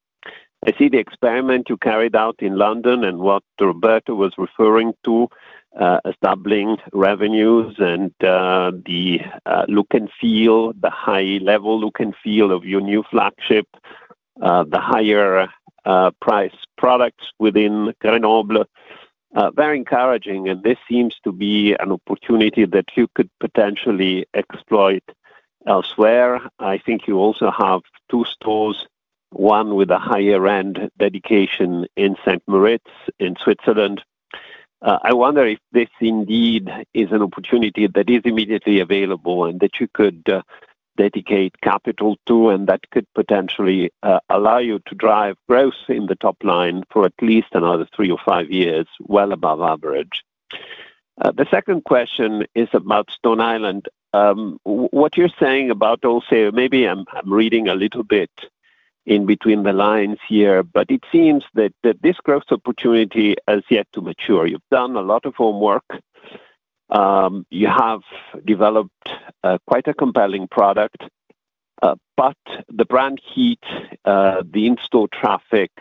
I see the experiment you carried out in London and what Roberto was referring to as doubling revenues and the look and feel, the high-level look and feel of your new flagship, the higher-priced products within Grenoble. Very encouraging, and this seems to be an opportunity that you could potentially exploit elsewhere. I think you also have two stores, one with a higher-end dedication in St. Moritz in Switzerland. I wonder if this indeed is an opportunity that is immediately available and that you could dedicate capital to, and that could potentially allow you to drive growth in the top line for at least another three or five years, well above average. The second question is about Stone Island. What you're saying about wholesale, maybe I'm reading a little bit in between the lines here, but it seems that this growth opportunity has yet to mature. You've done a lot of homework. You have developed quite a compelling product, but the brand heat, the in-store traffic,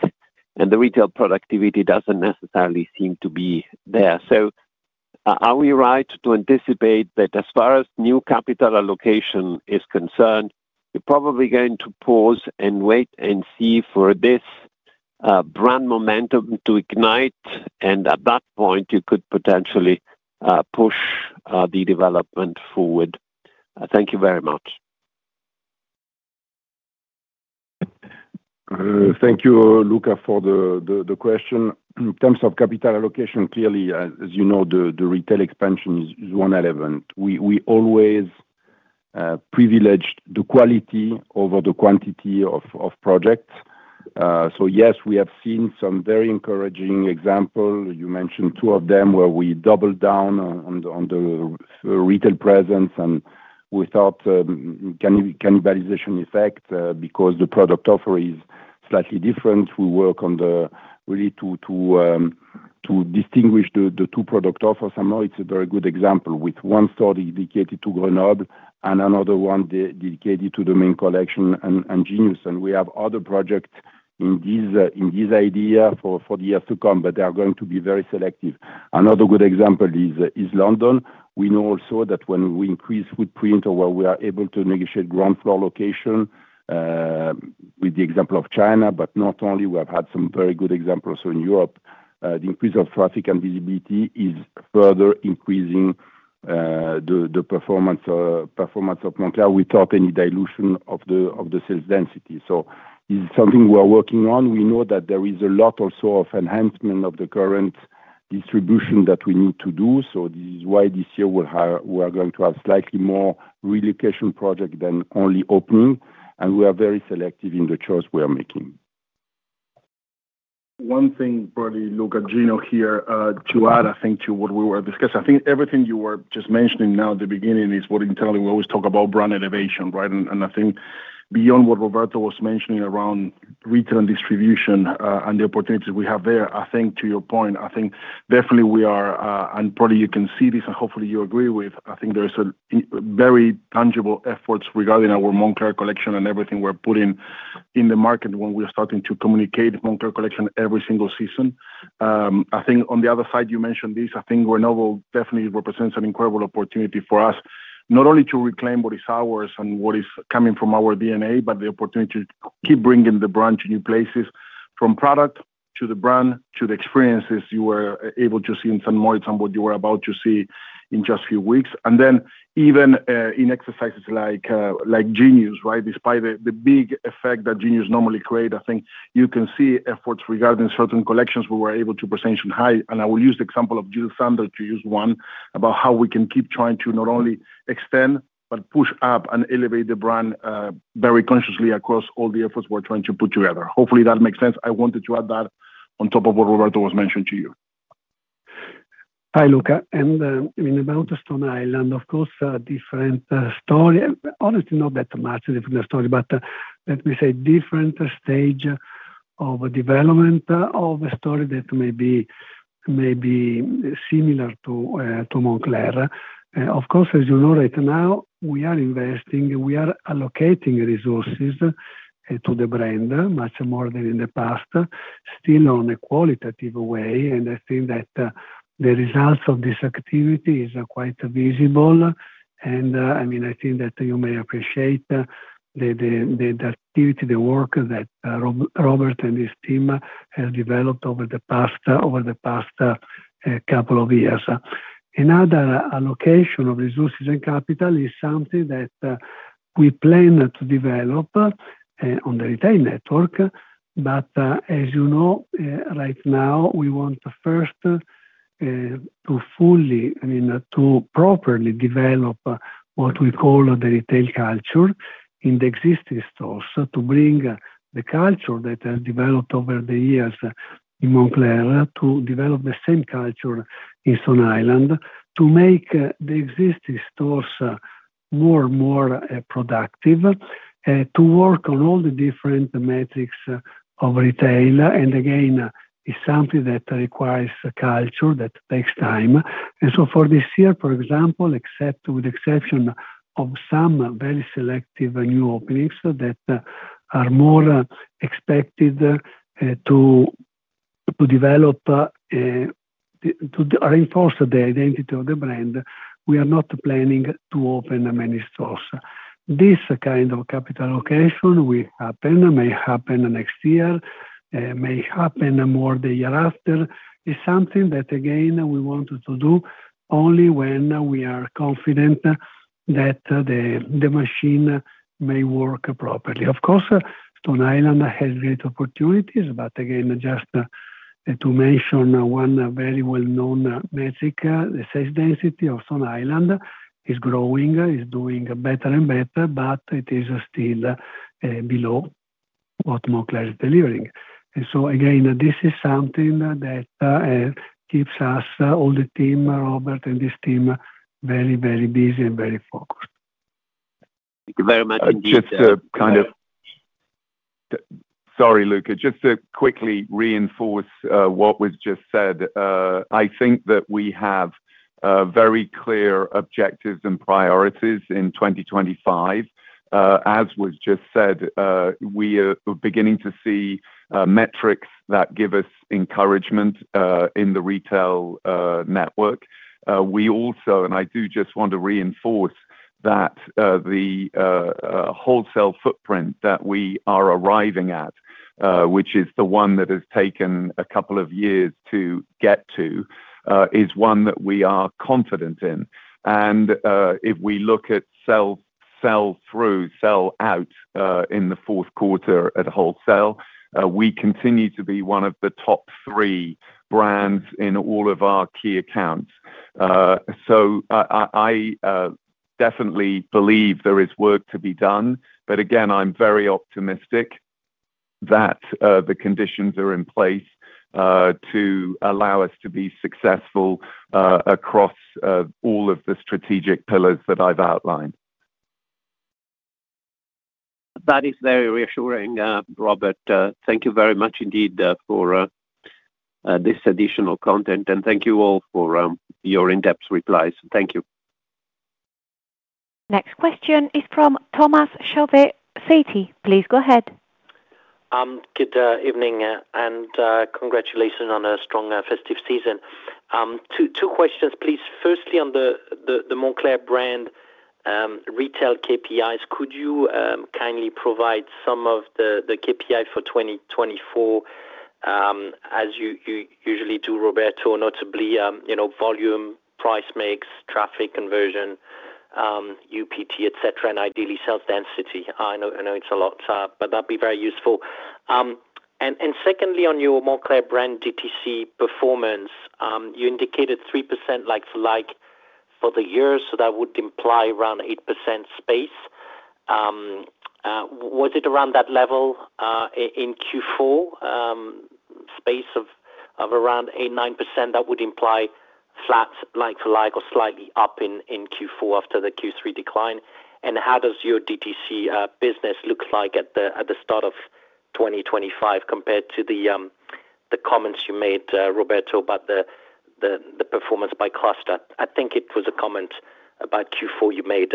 and the retail productivity doesn't necessarily seem to be there. Are we right to anticipate that as far as new capital allocation is concerned, you're probably going to pause and wait and see for this brand momentum to ignite? At that point, you could potentially push the development forward. Thank you very much. Thank you, Luca, for the question. In terms of capital allocation, clearly, as you know, the retail expansion is one element. We always privilege the quality over the quantity of projects. Yes, we have seen some very encouraging examples. You mentioned two of them where we doubled down on the retail presence, and we thought cannibalization effect because the product offer is slightly different. We work really to distinguish the two product offers somehow. It's a very good example with one store dedicated to Grenoble and another one dedicated to the main collection and Genius. We have other projects in this idea for the years to come, but they are going to be very selective. Another good example is London. We know also that when we increase footprint or where we are able to negotiate ground floor location with the example of China, but not only, we have had some very good examples, so in Europe, the increase of traffic and visibility is further increasing the performance of Moncler. We saw no dilution of the sales density, so this is something we are working on. We know that there is a lot also of enhancement of the current distribution that we need to do, so this is why this year we are going to have slightly more relocation projects than only opening, and we are very selective in the choice we are making. One thing, probably Luca. Gino here to add, I think, to what we were discussing. I think everything you were just mentioning now at the beginning is what internally we always talk about brand innovation, right? I think beyond what Roberto was mentioning around retail and distribution and the opportunities we have there, I think to your point, I think definitely we are, and probably you can see this, and hopefully you agree with, I think there's very tangible efforts regarding our Moncler Collection and everything we're putting in the market when we are starting to communicate Moncler Collection every single season. I think on the other side, you mentioned this. I think Grenoble definitely represents an incredible opportunity for us, not only to reclaim what is ours and what is coming from our DNA, but the opportunity to keep bringing the brand to new places from product to the brand to the experiences you were able to see in St. Moritz and what you were about to see in just a few weeks. Then even in exercises like Genius, right? Despite the big effect that Genius normally creates, I think you can see efforts regarding certain collections we were able to present high. I will use the example of Jil Sander to use one about how we can keep trying to not only extend, but push up and elevate the brand very consciously across all the efforts we're trying to put together. Hopefully, that makes sense. I wanted to add that on top of what Roberto was mentioning to you. Hi, Luca, and I mean, about Stone Island, of course, different story. Honestly, not that much a different story, but let me say different stage of development of a story that may be similar to Moncler. Of course, as you know, right now, we are investing, we are allocating resources to the brand much more than in the past, still on a qualitative way. I think that the results of this activity are quite visible. I mean, I think that you may appreciate the activity, the work that Robert and his team have developed over the past couple of years. Another allocation of resources and capital is something that we plan to develop on the retail network. But as you know, right now, we want first to fully, I mean, to properly develop what we call the retail culture in the existing stores to bring the culture that has developed over the years in Moncler to develop the same culture in Stone Island to make the existing stores more and more productive and to work on all the different metrics of retail. Again, it's something that requires culture that takes time. For this year, for example, with the exception of some very selective new openings that are more expected to reinforce the identity of the brand, we are not planning to open many stores. This kind of capital allocation will happen, may happen next year, may happen more the year after. It's something that, again, we want to do only when we are confident that the machine may work properly. Of course, Stone Island has great opportunities, but again, just to mention one very well-known metric, the sales density of Stone Island is growing, is doing better and better, but it is still below what Moncler is delivering. Again, this is something that keeps us, all the team, Robert and his team, very, very busy and very focused. Thank you very much. Just to kind of. Sorry, Luca. Just to quickly reinforce what was just said, I think that we have very clear objectives and priorities in 2025. As was just said, we are beginning to see metrics that give us encouragement in the retail network. We also, and I do just want to reinforce that the wholesale footprint that we are arriving at, which is the one that has taken a couple of years to get to, is one that we are confident in. If we look at sell through, sell out in the fourth quarter at wholesale, we continue to be one of the top three brands in all of our key accounts. I definitely believe there is work to be done. But again, I'm very optimistic that the conditions are in place to allow us to be successful across all of the strategic pillars that I've outlined. That is very reassuring, Robert. Thank you very much indeed for this additional content. Thank you all for your in-depth replies. Thank you. Next question is from Thomas Chauvet, Citi. Please go ahead. Good evening and congratulations on a strong festive season. Two questions, please. Firstly, on the Moncler brand retail KPIs, could you kindly provide some of the KPIs for 2024 as you usually do, Roberto, notably volume, price mix, traffic conversion, UPT, etc., and ideally sales density? I know it's a lot, but that'd be very useful. Secondly, on your Moncler brand DTC performance, you indicated 3% like-for-like for the year, so that would imply around 8% space. Was it around that level in Q4, space of around 8-9%? That would imply flat like-for-like or slightly up in Q4 after the Q3 decline. How does your DTC business look like at the start of 2025 compared to the comments you made, Roberto, about the performance by cluster? I think it was a comment about Q4 you made.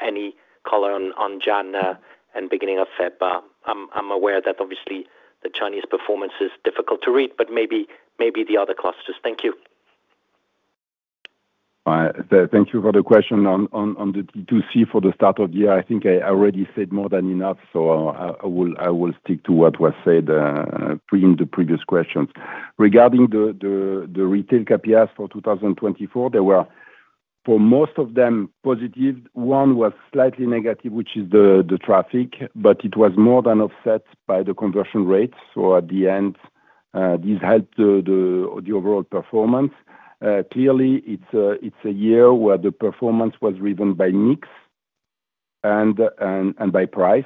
Any color on January and beginning of February? I'm aware that obviously the Chinese performance is difficult to read, but maybe the other clusters. Thank you. Thank you for the question on the DTC for the start of the year. I think I already said more than enough, so I will stick to what was said in the previous questions. Regarding the retail KPIs for 2024, there were, for most of them, positive. One was slightly negative, which is the traffic, but it was more than offset by the conversion rate. At the end, this helped the overall performance. Clearly, it's a year where the performance was driven by mix and by price.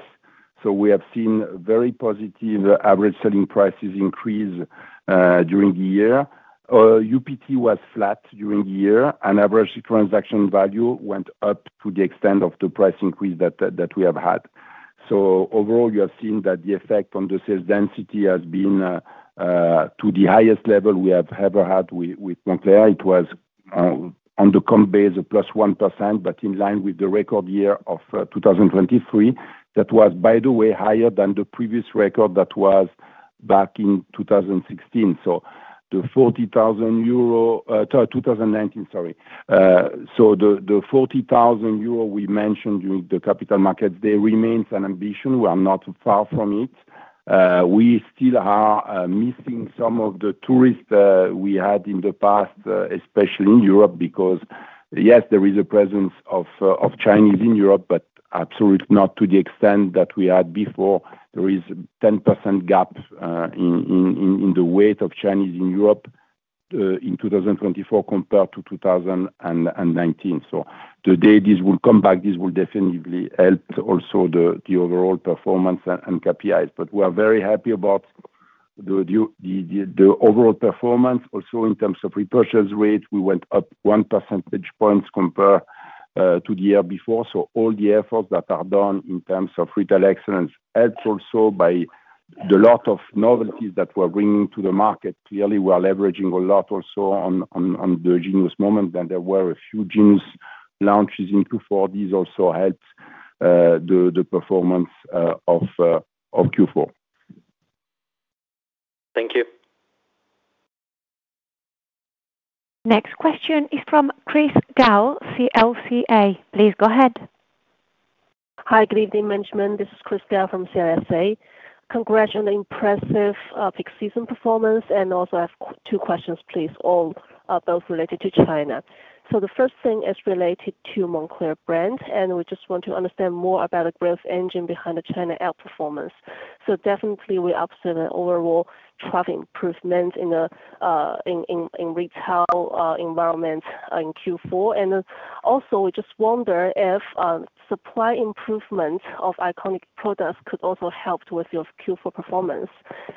We have seen very positive average selling prices increase during the year. UPT was flat during the year. An average transaction value went up to the extent of the price increase that we have had. Overall, you have seen that the effect on the sales density has been to the highest level we have ever had with Moncler. It was on the comp base of +1%, but in line with the record year of 2023, that was, by the way, higher than the previous record that was back in 2016, so the 40,000 euro, sorry, so the 40,000 euro we mentioned during the capital markets, there remains an ambition. We are not far from it. We still are missing some of the tourists we had in the past, especially in Europe, because yes, there is a presence of Chinese in Europe, but absolutely not to the extent that we had before. There is a 10% gap in the weight of Chinese in Europe in 2024 compared to 2019. The day this will come back, this will definitely help also the overall performance and KPIs. But we are very happy about the overall performance. Also, in terms of repurchase rate, we went up one percentage point compared to the year before. All the efforts that are done in terms of retail excellence helped, also by a lot of novelties that we are bringing to the market. Clearly, we are leveraging a lot also on the Genius moment. There were a few Genius launches in Q4. This also helped the performance of Q4. Thank you. Next question is from Chris Gao, CLSA. Please go ahead. Hi, good evening, management. This is Chris Gao from CLSA. Congrats on the impressive peak season performance. Also, I have two questions, please, both related to China. The first thing is related to Moncler brand, and we just want to understand more about the growth engine behind the China outperformance. Definitely, we observe an overall traffic improvement in the retail environment in Q4. Also, we just wonder if supply improvement of iconic products could also help with your Q4 performance.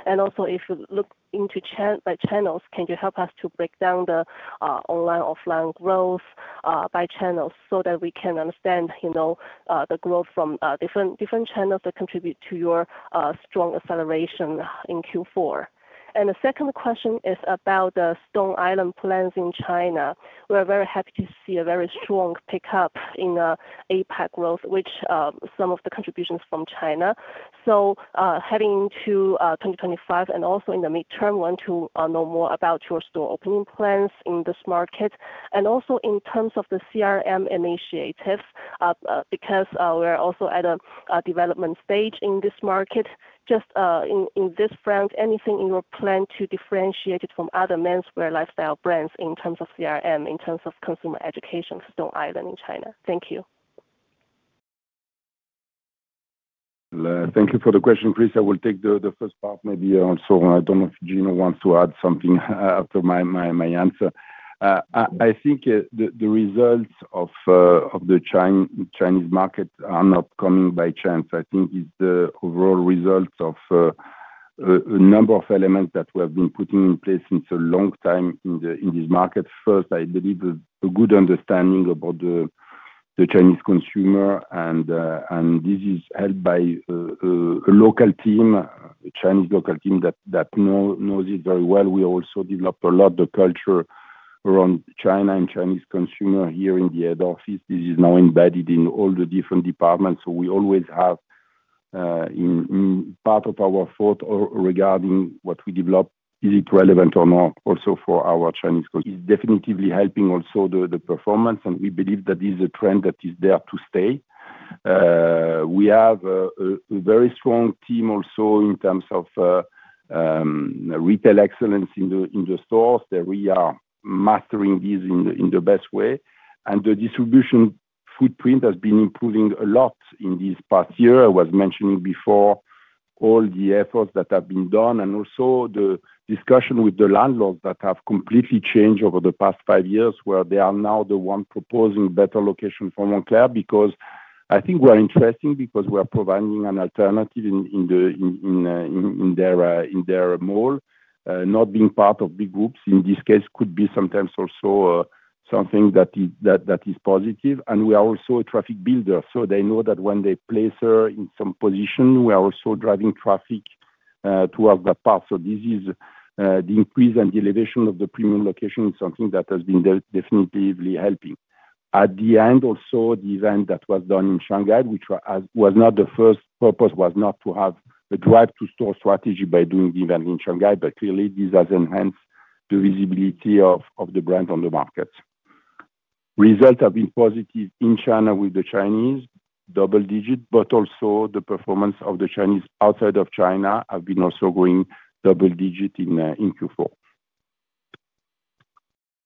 Also, if you look into channels, can you help us to break down the online-offline growth by channels so that we can understand the growth from different channels that contribute to your strong acceleration in Q4? The second question is about the Stone Island plans in China. We are very happy to see a very strong pickup in APAC growth, with some of the contributions from China. Heading into 2025 and also in the mid-term, we want to know more about your store opening plans in this market. Also, in terms of the CRM initiative, because we are also at a development stage in this market, just in this brand, anything in your plan to differentiate it from other menswear lifestyle brands in terms of CRM, in terms of consumer education for Stone Island in China? Thank you. Thank you for the question, Chris. I will take the first part maybe also. I don't know if Gino wants to add something after my answer. I think the results of the Chinese market are not coming by chance. I think it's the overall result of a number of elements that we have been putting in place since a long time in this market. First, I believe a good understanding about the Chinese consumer. This is helped by a local team, a Chinese local team that knows it very well. We also developed a lot of the culture around China and Chinese consumer here in the head office. This is now embedded in all the different departments. We always have part of our thought regarding what we develop, is it relevant or not also for our Chinese. Is definitely helping also the performance. We believe that this is a trend that is there to stay. We have a very strong team also in terms of retail excellence in the stores. There we are mastering this in the best way. The distribution footprint has been improving a lot in this past year. I was mentioning before all the efforts that have been done and also the discussion with the landlords that have completely changed over the past five years where they are now the ones proposing better location for Moncler because I think we are interesting because we are providing an alternative in their mall. Not being part of big groups in this case could be sometimes also something that is positive. We are also a traffic builder. They know that when they place her in some position, we are also driving traffic towards that part. This is the increase and the elevation of the premium location is something that has been definitively helping. At the end, also the event that was done in Shanghai, which was not the first purpose, was not to have a drive-to-store strategy by doing the event in Shanghai, but clearly this has enhanced the visibility of the brand on the markets. Results have been positive in China with the Chinese, double digit, but also the performance of the Chinese outside of China have been also going double digit in Q4.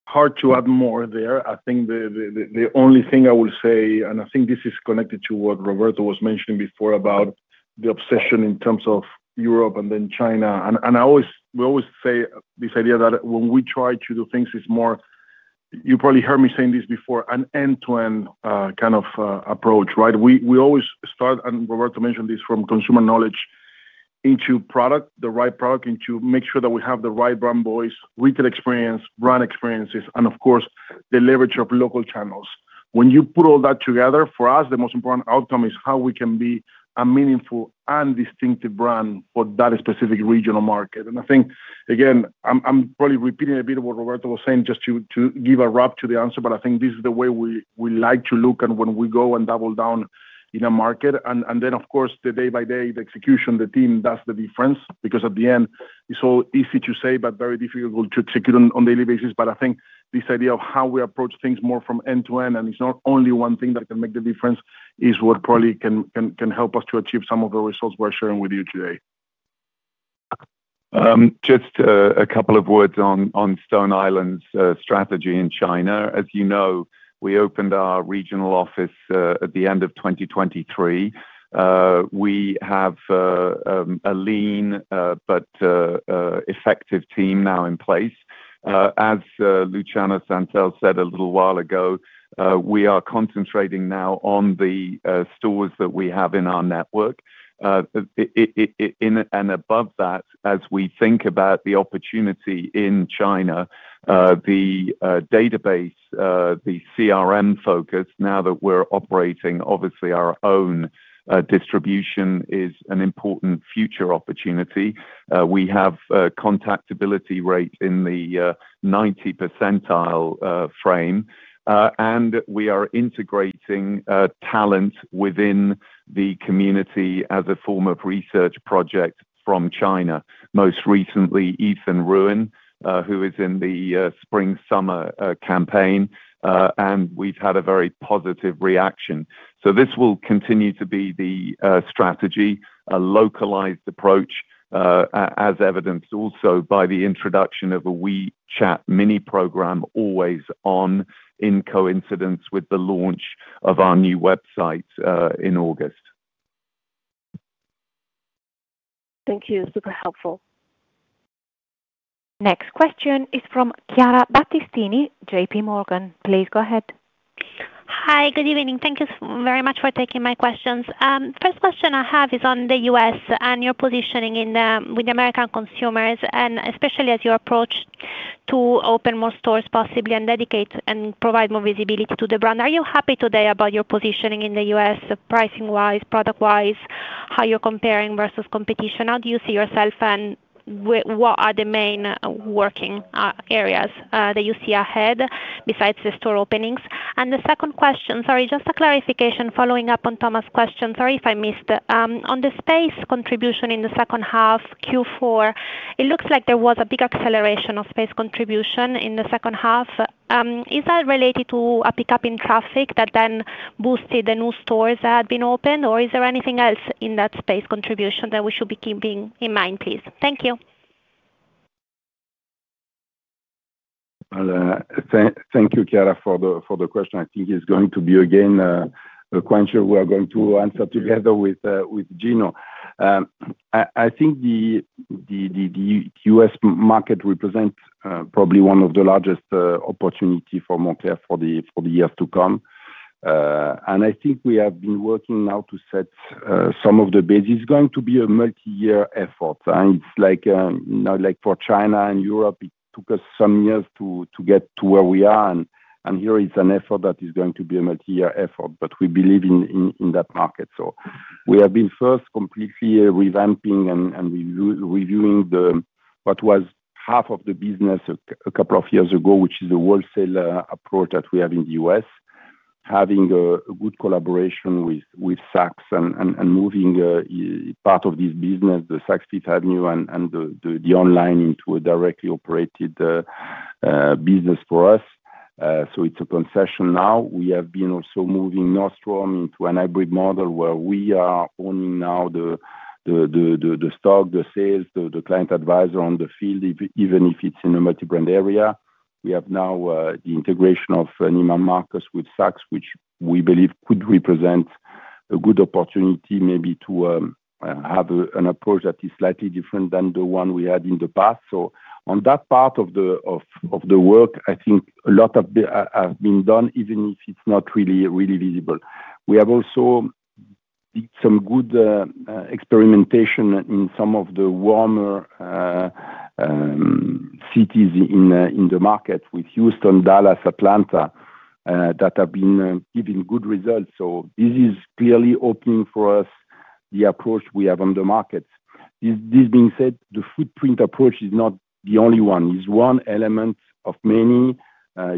Hard to add more there. I think the only thing I will say, and I think this is connected to what Roberto was mentioning before about the obsession in terms of Europe and then China. We always say this idea that when we try to do things, it's more you probably heard me saying this before, an end-to-end kind of approach, right? We always start, and Roberto mentioned this from consumer knowledge into product, the right product, and to make sure that we have the right brand voice, retail experience, brand experiences, and of course, the leverage of local channels. When you put all that together, for us, the most important outcome is how we can be a meaningful and distinctive brand for that specific regional market. I think, again, I'm probably repeating a bit of what Roberto was saying just to give a wrap to the answer, but I think this is the way we like to look at when we go and double down in a market. Then, of course, the day-by-day, the execution, the team, that's the difference because at the end, it's all easy to say, but very difficult to execute on a daily basis. But I think this idea of how we approach things more from end-to-end, and it's not only one thing that can make the difference, is what probably can help us to achieve some of the results we're sharing with you today. Just a couple of words on Stone Island's strategy in China. As you know, we opened our regional office at the end of 2023. We have a lean but effective team now in place. As Luciano Santel said a little while ago, we are concentrating now on the stores that we have in our network. Above that, as we think about the opportunity in China, the database, the CRM focus, now that we're operating, obviously, our own distribution is an important future opportunity. We have a contactability rate in the 90th percentile. We are integrating talent within the community as a form of research project from China. Most recently, Ethan Ruan, who is in the spring-summer campaign, and we've had a very positive reaction. This will continue to be the strategy, a localized approach, as evidenced also by the introduction of a WeChat mini program, always on, in coincidence with the launch of our new website in August. Thank you. Super helpful. Next question is from Chiara Battistini, JPMorgan. Please go ahead. Hi, good evening. Thank you very much for taking my questions. First question I have is on the U.S. and your positioning with American consumers, and especially as you approach to open more stores possibly and dedicate and provide more visibility to the brand. Are you happy today about your positioning in the U.S., pricing-wise, product-wise, how you're comparing versus competition? How do you see yourself, and what are the main working areas that you see ahead besides the store openings? The second question, sorry, just a clarification following up on Thomas' question. Sorry if I missed it. On the space contribution in the second half, Q4, it looks like there was a big acceleration of space contribution in the second half. Is that related to a pickup in traffic that then boosted the new stores that had been opened, or is there anything else in that space contribution that we should be keeping in mind, please? Thank you. Thank you, Chiara, for the question. I think it's going to be, again, a question we are going to answer together with Gino. I think the U.S. market represents probably one of the largest opportunities for Moncler for the years to come, and I think we have been working now to set some of the base. It's going to be a multi-year effort. It's like for China and Europe, it took us some years to get to where we are, and here, it's an effort that is going to be a multi-year effort, but we believe in that market. We have been first completely revamping and reviewing what was half of the business a couple of years ago, which is the wholesale approach that we have in the U.S., having a good collaboration with Saks and moving part of this business, the Saks Fifth Avenue and the online into a directly operated business for us. It's a concession now. We have been also moving Nordstrom into an hybrid model where we are owning now the stock, the sales, the client advisor on the field, even if it's in a multi-brand area. We have now the integration of Neiman Marcus with Saks, which we believe could represent a good opportunity maybe to have an approach that is slightly different than the one we had in the past. On that part of the work, I think a lot has been done, even if it's not really visible. We have also done some good experimentation in some of the warmer cities in the market with Houston, Dallas, Atlanta that have been giving good results. This is clearly opening for us the approach we have on the market. This being said, the footprint approach is not the only one. It's one element of many.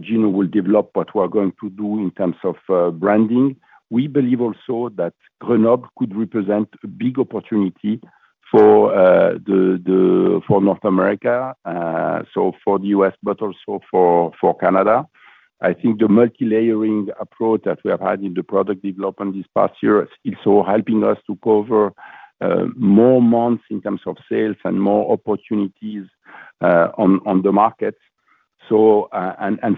Gino will develop what we're going to do in terms of branding. We believe also that Grenoble could represent a big opportunity for North America, so for the U.S., but also for Canada. I think the multi-layering approach that we have had in the product development this past year is also helping us to cover more months in terms of sales and more opportunities on the market.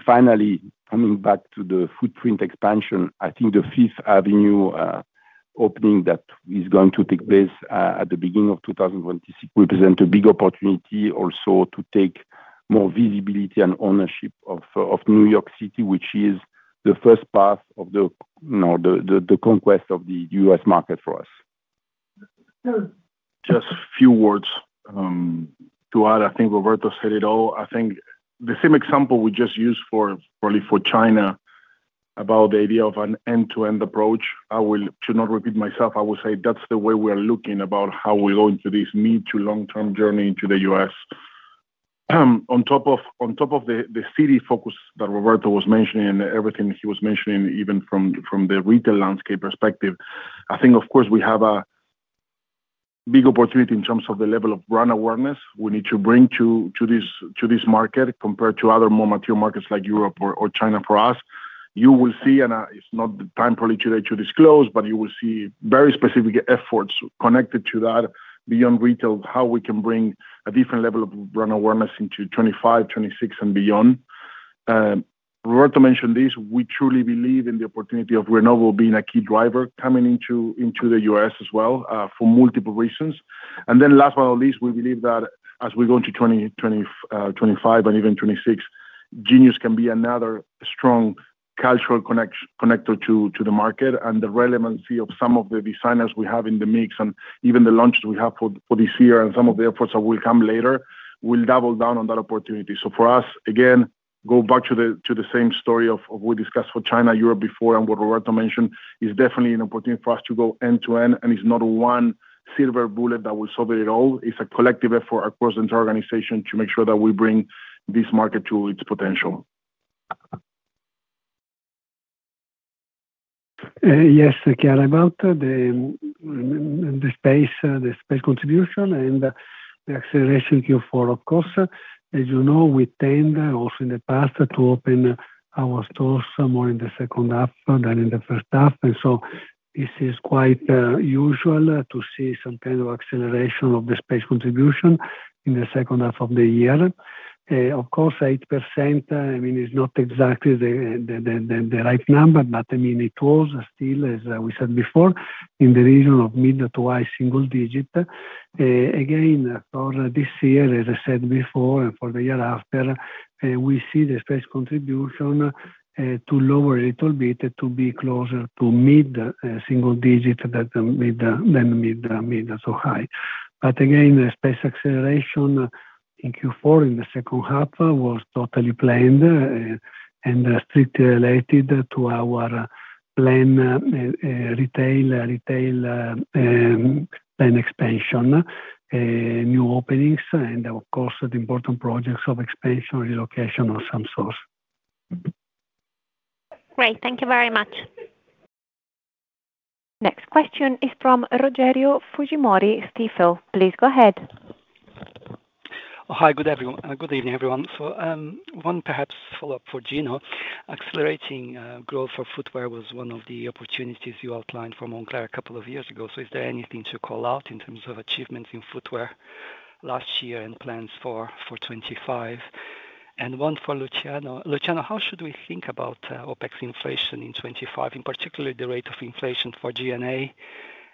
Finally, coming back to the footprint expansion, I think the Fifth Avenue opening that is going to take place at the beginning of 2026 represents a big opportunity also to take more visibility and ownership of New York City, which is the first path of the conquest of the U.S. market for us. Just a few words to add. I think Roberto said it all. I think the same example we just used probably for China about the idea of an end-to-end approach. To not repeat myself, I will say that's the way we are looking about how we're going to this mid to long-term journey to the U.S. On top of the city focus that Roberto was mentioning and everything he was mentioning, even from the retail landscape perspective, I think, of course, we have a big opportunity in terms of the level of brand awareness we need to bring to this market compared to other more mature markets like Europe or China for us. You will see, and it's not the time probably today to disclose, but you will see very specific efforts connected to that beyond retail, how we can bring a different level of brand awareness into 2025, 2026, and beyond. Roberto mentioned this. We truly believe in the opportunity of Grenoble being a key driver coming into the U.S. as well for multiple reasons. Then last but not least, we believe that as we go into 2025 and even 2026, Genius can be another strong cultural connector to the market. The relevancy of some of the designers we have in the mix and even the launches we have for this year and some of the efforts that will come later, we'll double down on that opportunity. For us, again, go back to the same story of what we discussed for China, Europe before, and what Roberto mentioned is definitely an opportunity for us to go end-to-end, and it's not one silver bullet that will solve it all. It's a collective effort across the entire organization to make sure that we bring this market to its potential. Yes, Chiara, about the space contribution and the acceleration Q4, of course. As you know, we tend also in the past to open our stores more in the second half than in the first half, and so this is quite usual to see some kind of acceleration of the space contribution in the second half of the year. Of course, 8%, I mean, is not exactly the right number, but I mean, it was still, as we said before, in the region of mid- to high-single-digit. Again, for this year, as I said before, and for the year after, we see the space contribution to lower a little bit to be closer to mid-single-digit than mid- to high. But again, the space acceleration in Q4 in the second half was totally planned and strictly related to our planned retail expansion, new openings, and of course, the important projects of expansion, relocation of some stores. Great. Thank you very much. Next question is from Rogério Fujimori, Stifel. Please go ahead. Hi, good evening, everyone. One perhaps follow-up for Gino. Accelerating growth for footwear was one of the opportunities you outlined for Moncler a couple of years ago. Is there anything to call out in terms of achievements in footwear last year and plans for 2025? One for Luciano. Luciano, how should we think about OpEx inflation in 2025, in particular the rate of inflation for G&A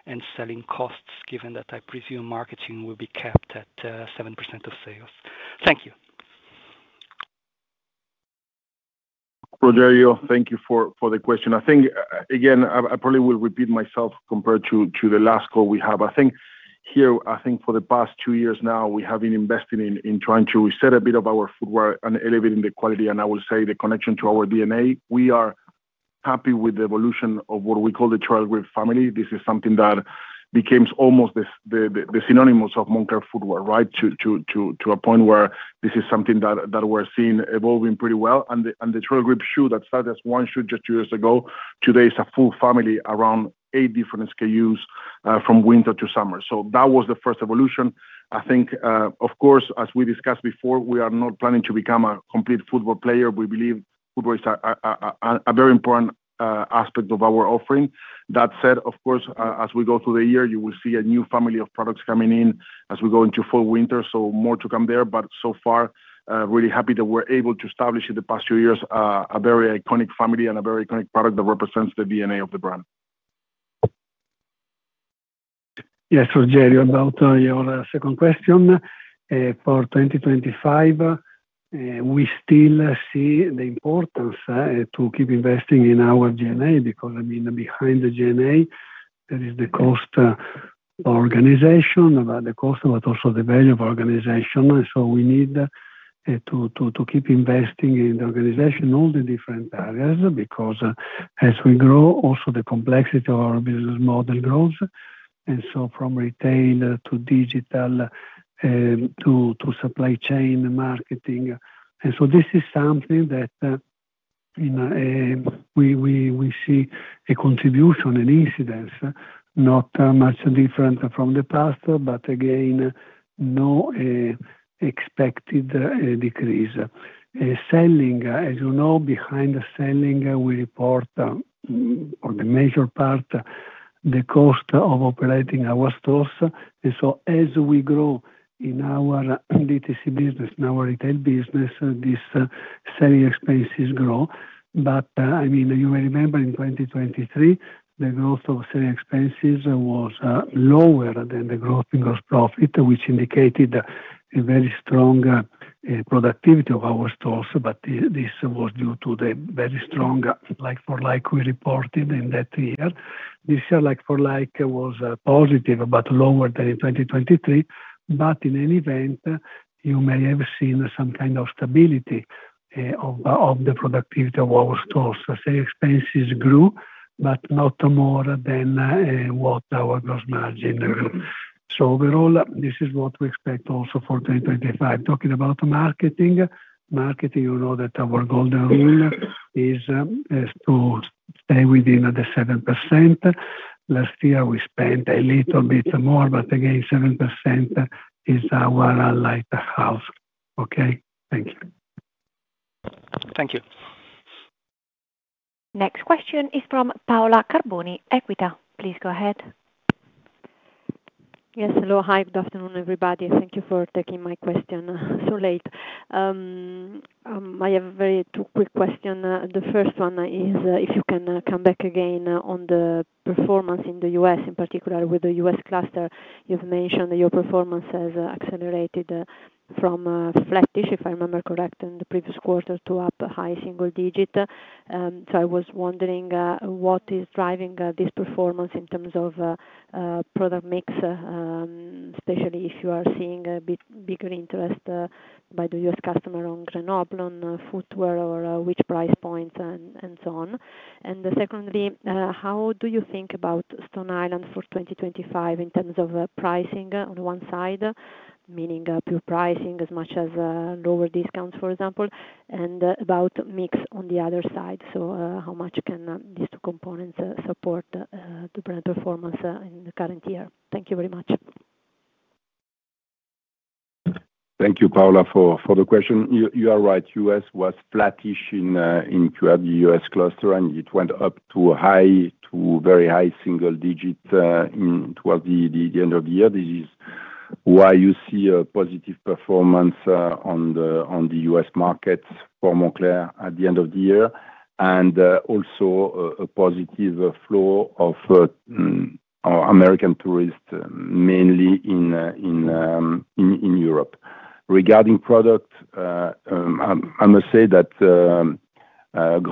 and selling costs, given that I presume marketing will be capped at 7% of sales? Thank you. Rogério, thank you for the question. I think, again, I probably will repeat myself compared to the last call we have. I think here, I think for the past two years now, we have been investing in trying to reset a bit of our footwear and elevating the quality, and I will say the connection to our DNA. We are happy with the evolution of what we call the Trailgrip family. This is something that becomes almost the synonymous of Moncler footwear, right, to a point where this is something that we're seeing evolving pretty well. The Trailgrip shoe that started as one shoe just two years ago, today is a full family around eight different SKUs from winter to summer. That was the first evolution. I think, of course, as we discussed before, we are not planning to become a complete footwear player. We believe footwear is a very important aspect of our offering. That said, of course, as we go through the year, you will see a new family of products coming in as we go into fall, winter, so more to come there. Were really happy that we're able to establish in the past few years a very iconic family and a very iconic product that represents the DNA of the brand. Yes, Rogério, about your second question. For 2025, we still see the importance to keep investing in our DNA because, I mean, behind the DNA, there is the cost of organization, the cost, but also the value of organization. We need to keep investing in the organization, all the different areas, because as we grow, also the complexity of our business model grows. From retail to digital to supply chain marketing. This is something that we see a contribution, an incidence, not much different from the past, but again, no expected decrease. Selling, as you know, behind the selling, we report for the major part the cost of operating our stores. As we grow in our DTC business, in our retail business, these selling expenses grow. But I mean, you may remember in 2023, the growth of selling expenses was lower than the growth in gross profit, which indicated a very strong productivity of our stores. But this was due to the very strong like-for-like we reported in that year. This year, like-for-like was positive, but lower than in 2023. But in any event, you may have seen some kind of stability of the productivity of our stores. Selling expenses grew, but not more than what our gross margin grew. Overall, this is what we expect also for 2025. Talking about marketing, marketing, you know that our golden rule is to stay within the 7%. Last year, we spent a little bit more, but again, 7% is our lighthouse. Okay? Thank you. Next question is from Paola Carboni, Equita. Please go ahead. Yes, hello. Hi, good afternoon, everybody. Thank you for taking my question so late. I have two quick questions. The first one is if you can come back again on the performance in the U.S., in particular with the U.S. cluster. You've mentioned your performance has accelerated from flattish, if I remember correctly, in the previous quarter to up high single digit. I was wondering what is driving this performance in terms of product mix, especially if you are seeing a bigger interest by the U.S. customer on Grenoble on footwear or which price points and so on. Secondly, how do you think about Stone Island for 2025 in terms of pricing on one side, meaning pure pricing as much as lower discounts, for example, and about mix on the other side? How much can these two components support the brand performance in the current year? Thank you very much. Thank you, Paola, for the question. You are right. U.S. was flattish in the U.S. cluster, and it went up to very high single digit towards the end of the year. This is why you see a positive performance on the U.S. market for Moncler at the end of the year, and also a positive flow of American tourists, mainly in Europe. Regarding product, I must say that Moncler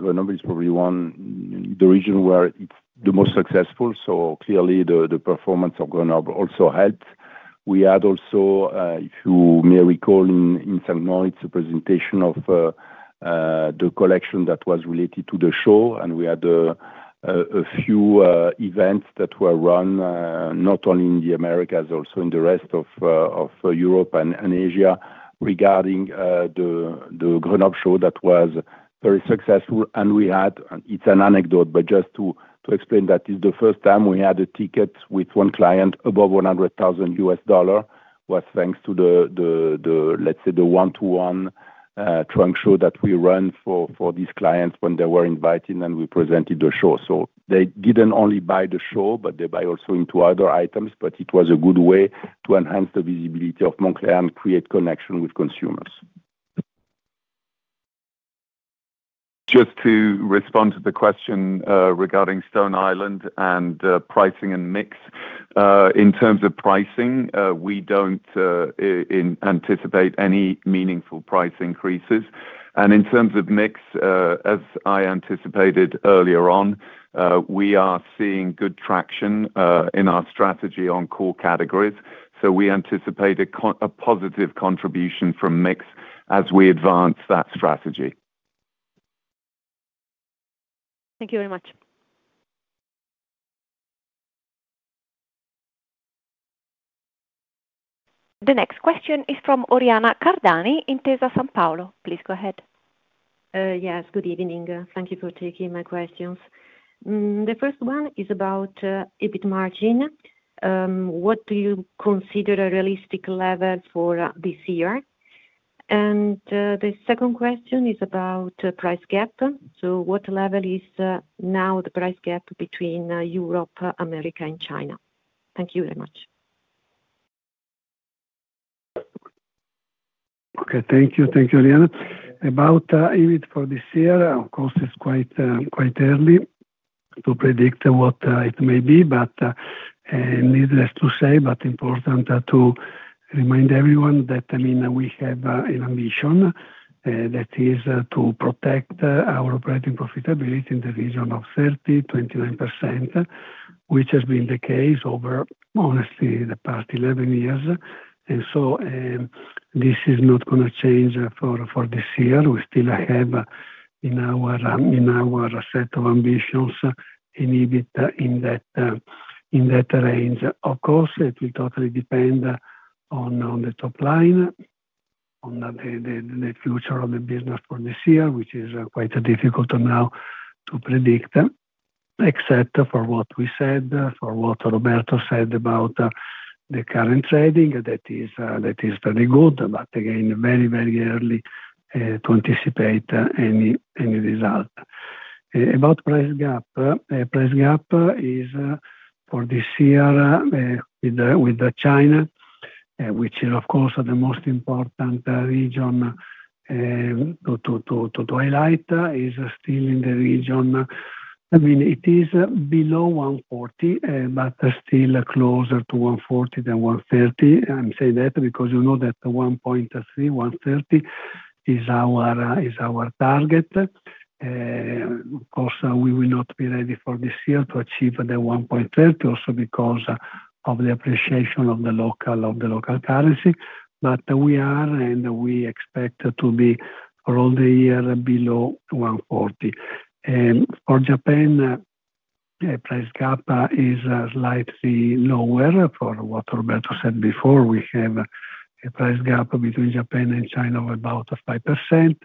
Grenoble is probably one of the regions where it's the most successful. Clearly, the performance of Grenoble also helped. We had also, if you may recall, in St. Moritz, the presentation of the collection that was related to the show, and we had a few events that were run not only in the Americas, also in the rest of Europe and Asia regarding the Grenoble show that was very successful. We had. It's an anecdote, but just to explain that it's the first time we had a ticket with one client above $100,000. This was thanks to the, let's say, the one-to-one trunk show that we ran for these clients when they were invited, and we presented the show. They didn't only buy the show, but they buy also into other items, but it was a good way to enhance the visibility of Moncler and create connection with consumers. Just to respond to the question regarding Stone Island and pricing and mix, in terms of pricing, we don't anticipate any meaningful price increases. In terms of mix, as I anticipated earlier on, we are seeing good traction in our strategy on core categories. We anticipate a positive contribution from mix as we advance that strategy. Thank you very much. The next question is from Oriana Cardani in Intesa Sanpaolo. Please go ahead. Yes, good evening. Thank you for taking my questions. The first one is about EBIT margin. What do you consider a realistic level for this year? The second question is about price gap. What level is now the price gap between Europe, America, and China? Thank you very much. Okay, thank you. Thank you, Oriana. About EBIT for this year, of course, it's quite early to predict what it may be, but needless to say, but important to remind everyone that, I mean, we have an ambition that is to protect our operating profitability in the region of 30%-29%, which has been the case over, honestly, the past 11 years. This is not going to change for this year. We still have in our set of ambitions in EBIT in that range. Of course, it will totally depend on the top line, on the future of the business for this year, which is quite difficult now to predict, except for what we said, for what Roberto said about the current trading, that is very good, but again, very, very early to anticipate any result. About price gap, price gap is for this year with China, which is, of course, the most important region to highlight, is still in the region. I mean, it is below 140, but still closer to 140 than 130. I'm saying that because you know that 1.3, 130 is our target. Of course, we will not be ready for this year to achieve the 130 also because of the appreciation of the local currency, but we are and we expect to be for all the year below 140. For Japan, price gap is slightly lower for what Roberto said before. We have a price gap between Japan and China of about 5%.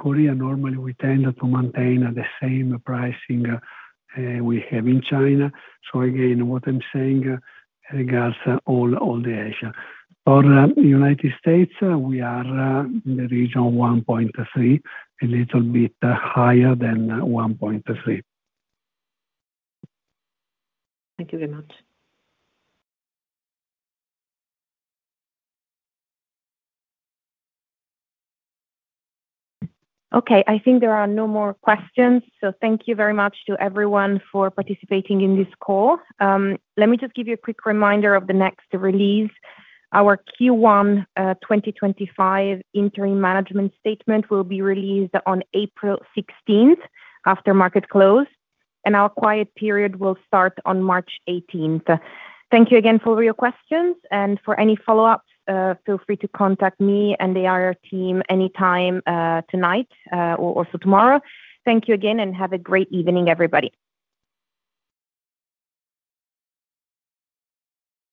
Korea, normally, we tend to maintain the same pricing we have in China. Again, what I'm saying regards all the Asia. For the United States, we are in the region 130, a little bit higher than 130. Thank you very much. Okay, I think there are no more questions. Thank you very much to everyone for participating in this call. Let me just give you a quick reminder of the next release. Our Q1 2025 interim management statement will be released on April 16th after market close, and our quiet period will start on March 18th. Thank you again for your questions. For any follow-ups, feel free to contact me and the IR team anytime tonight or also tomorrow. Thank you again and have a great evening, everybody.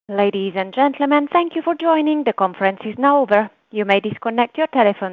Ladies and gentlemen, thank you for joining. The conference is now over. You may disconnect your telephone.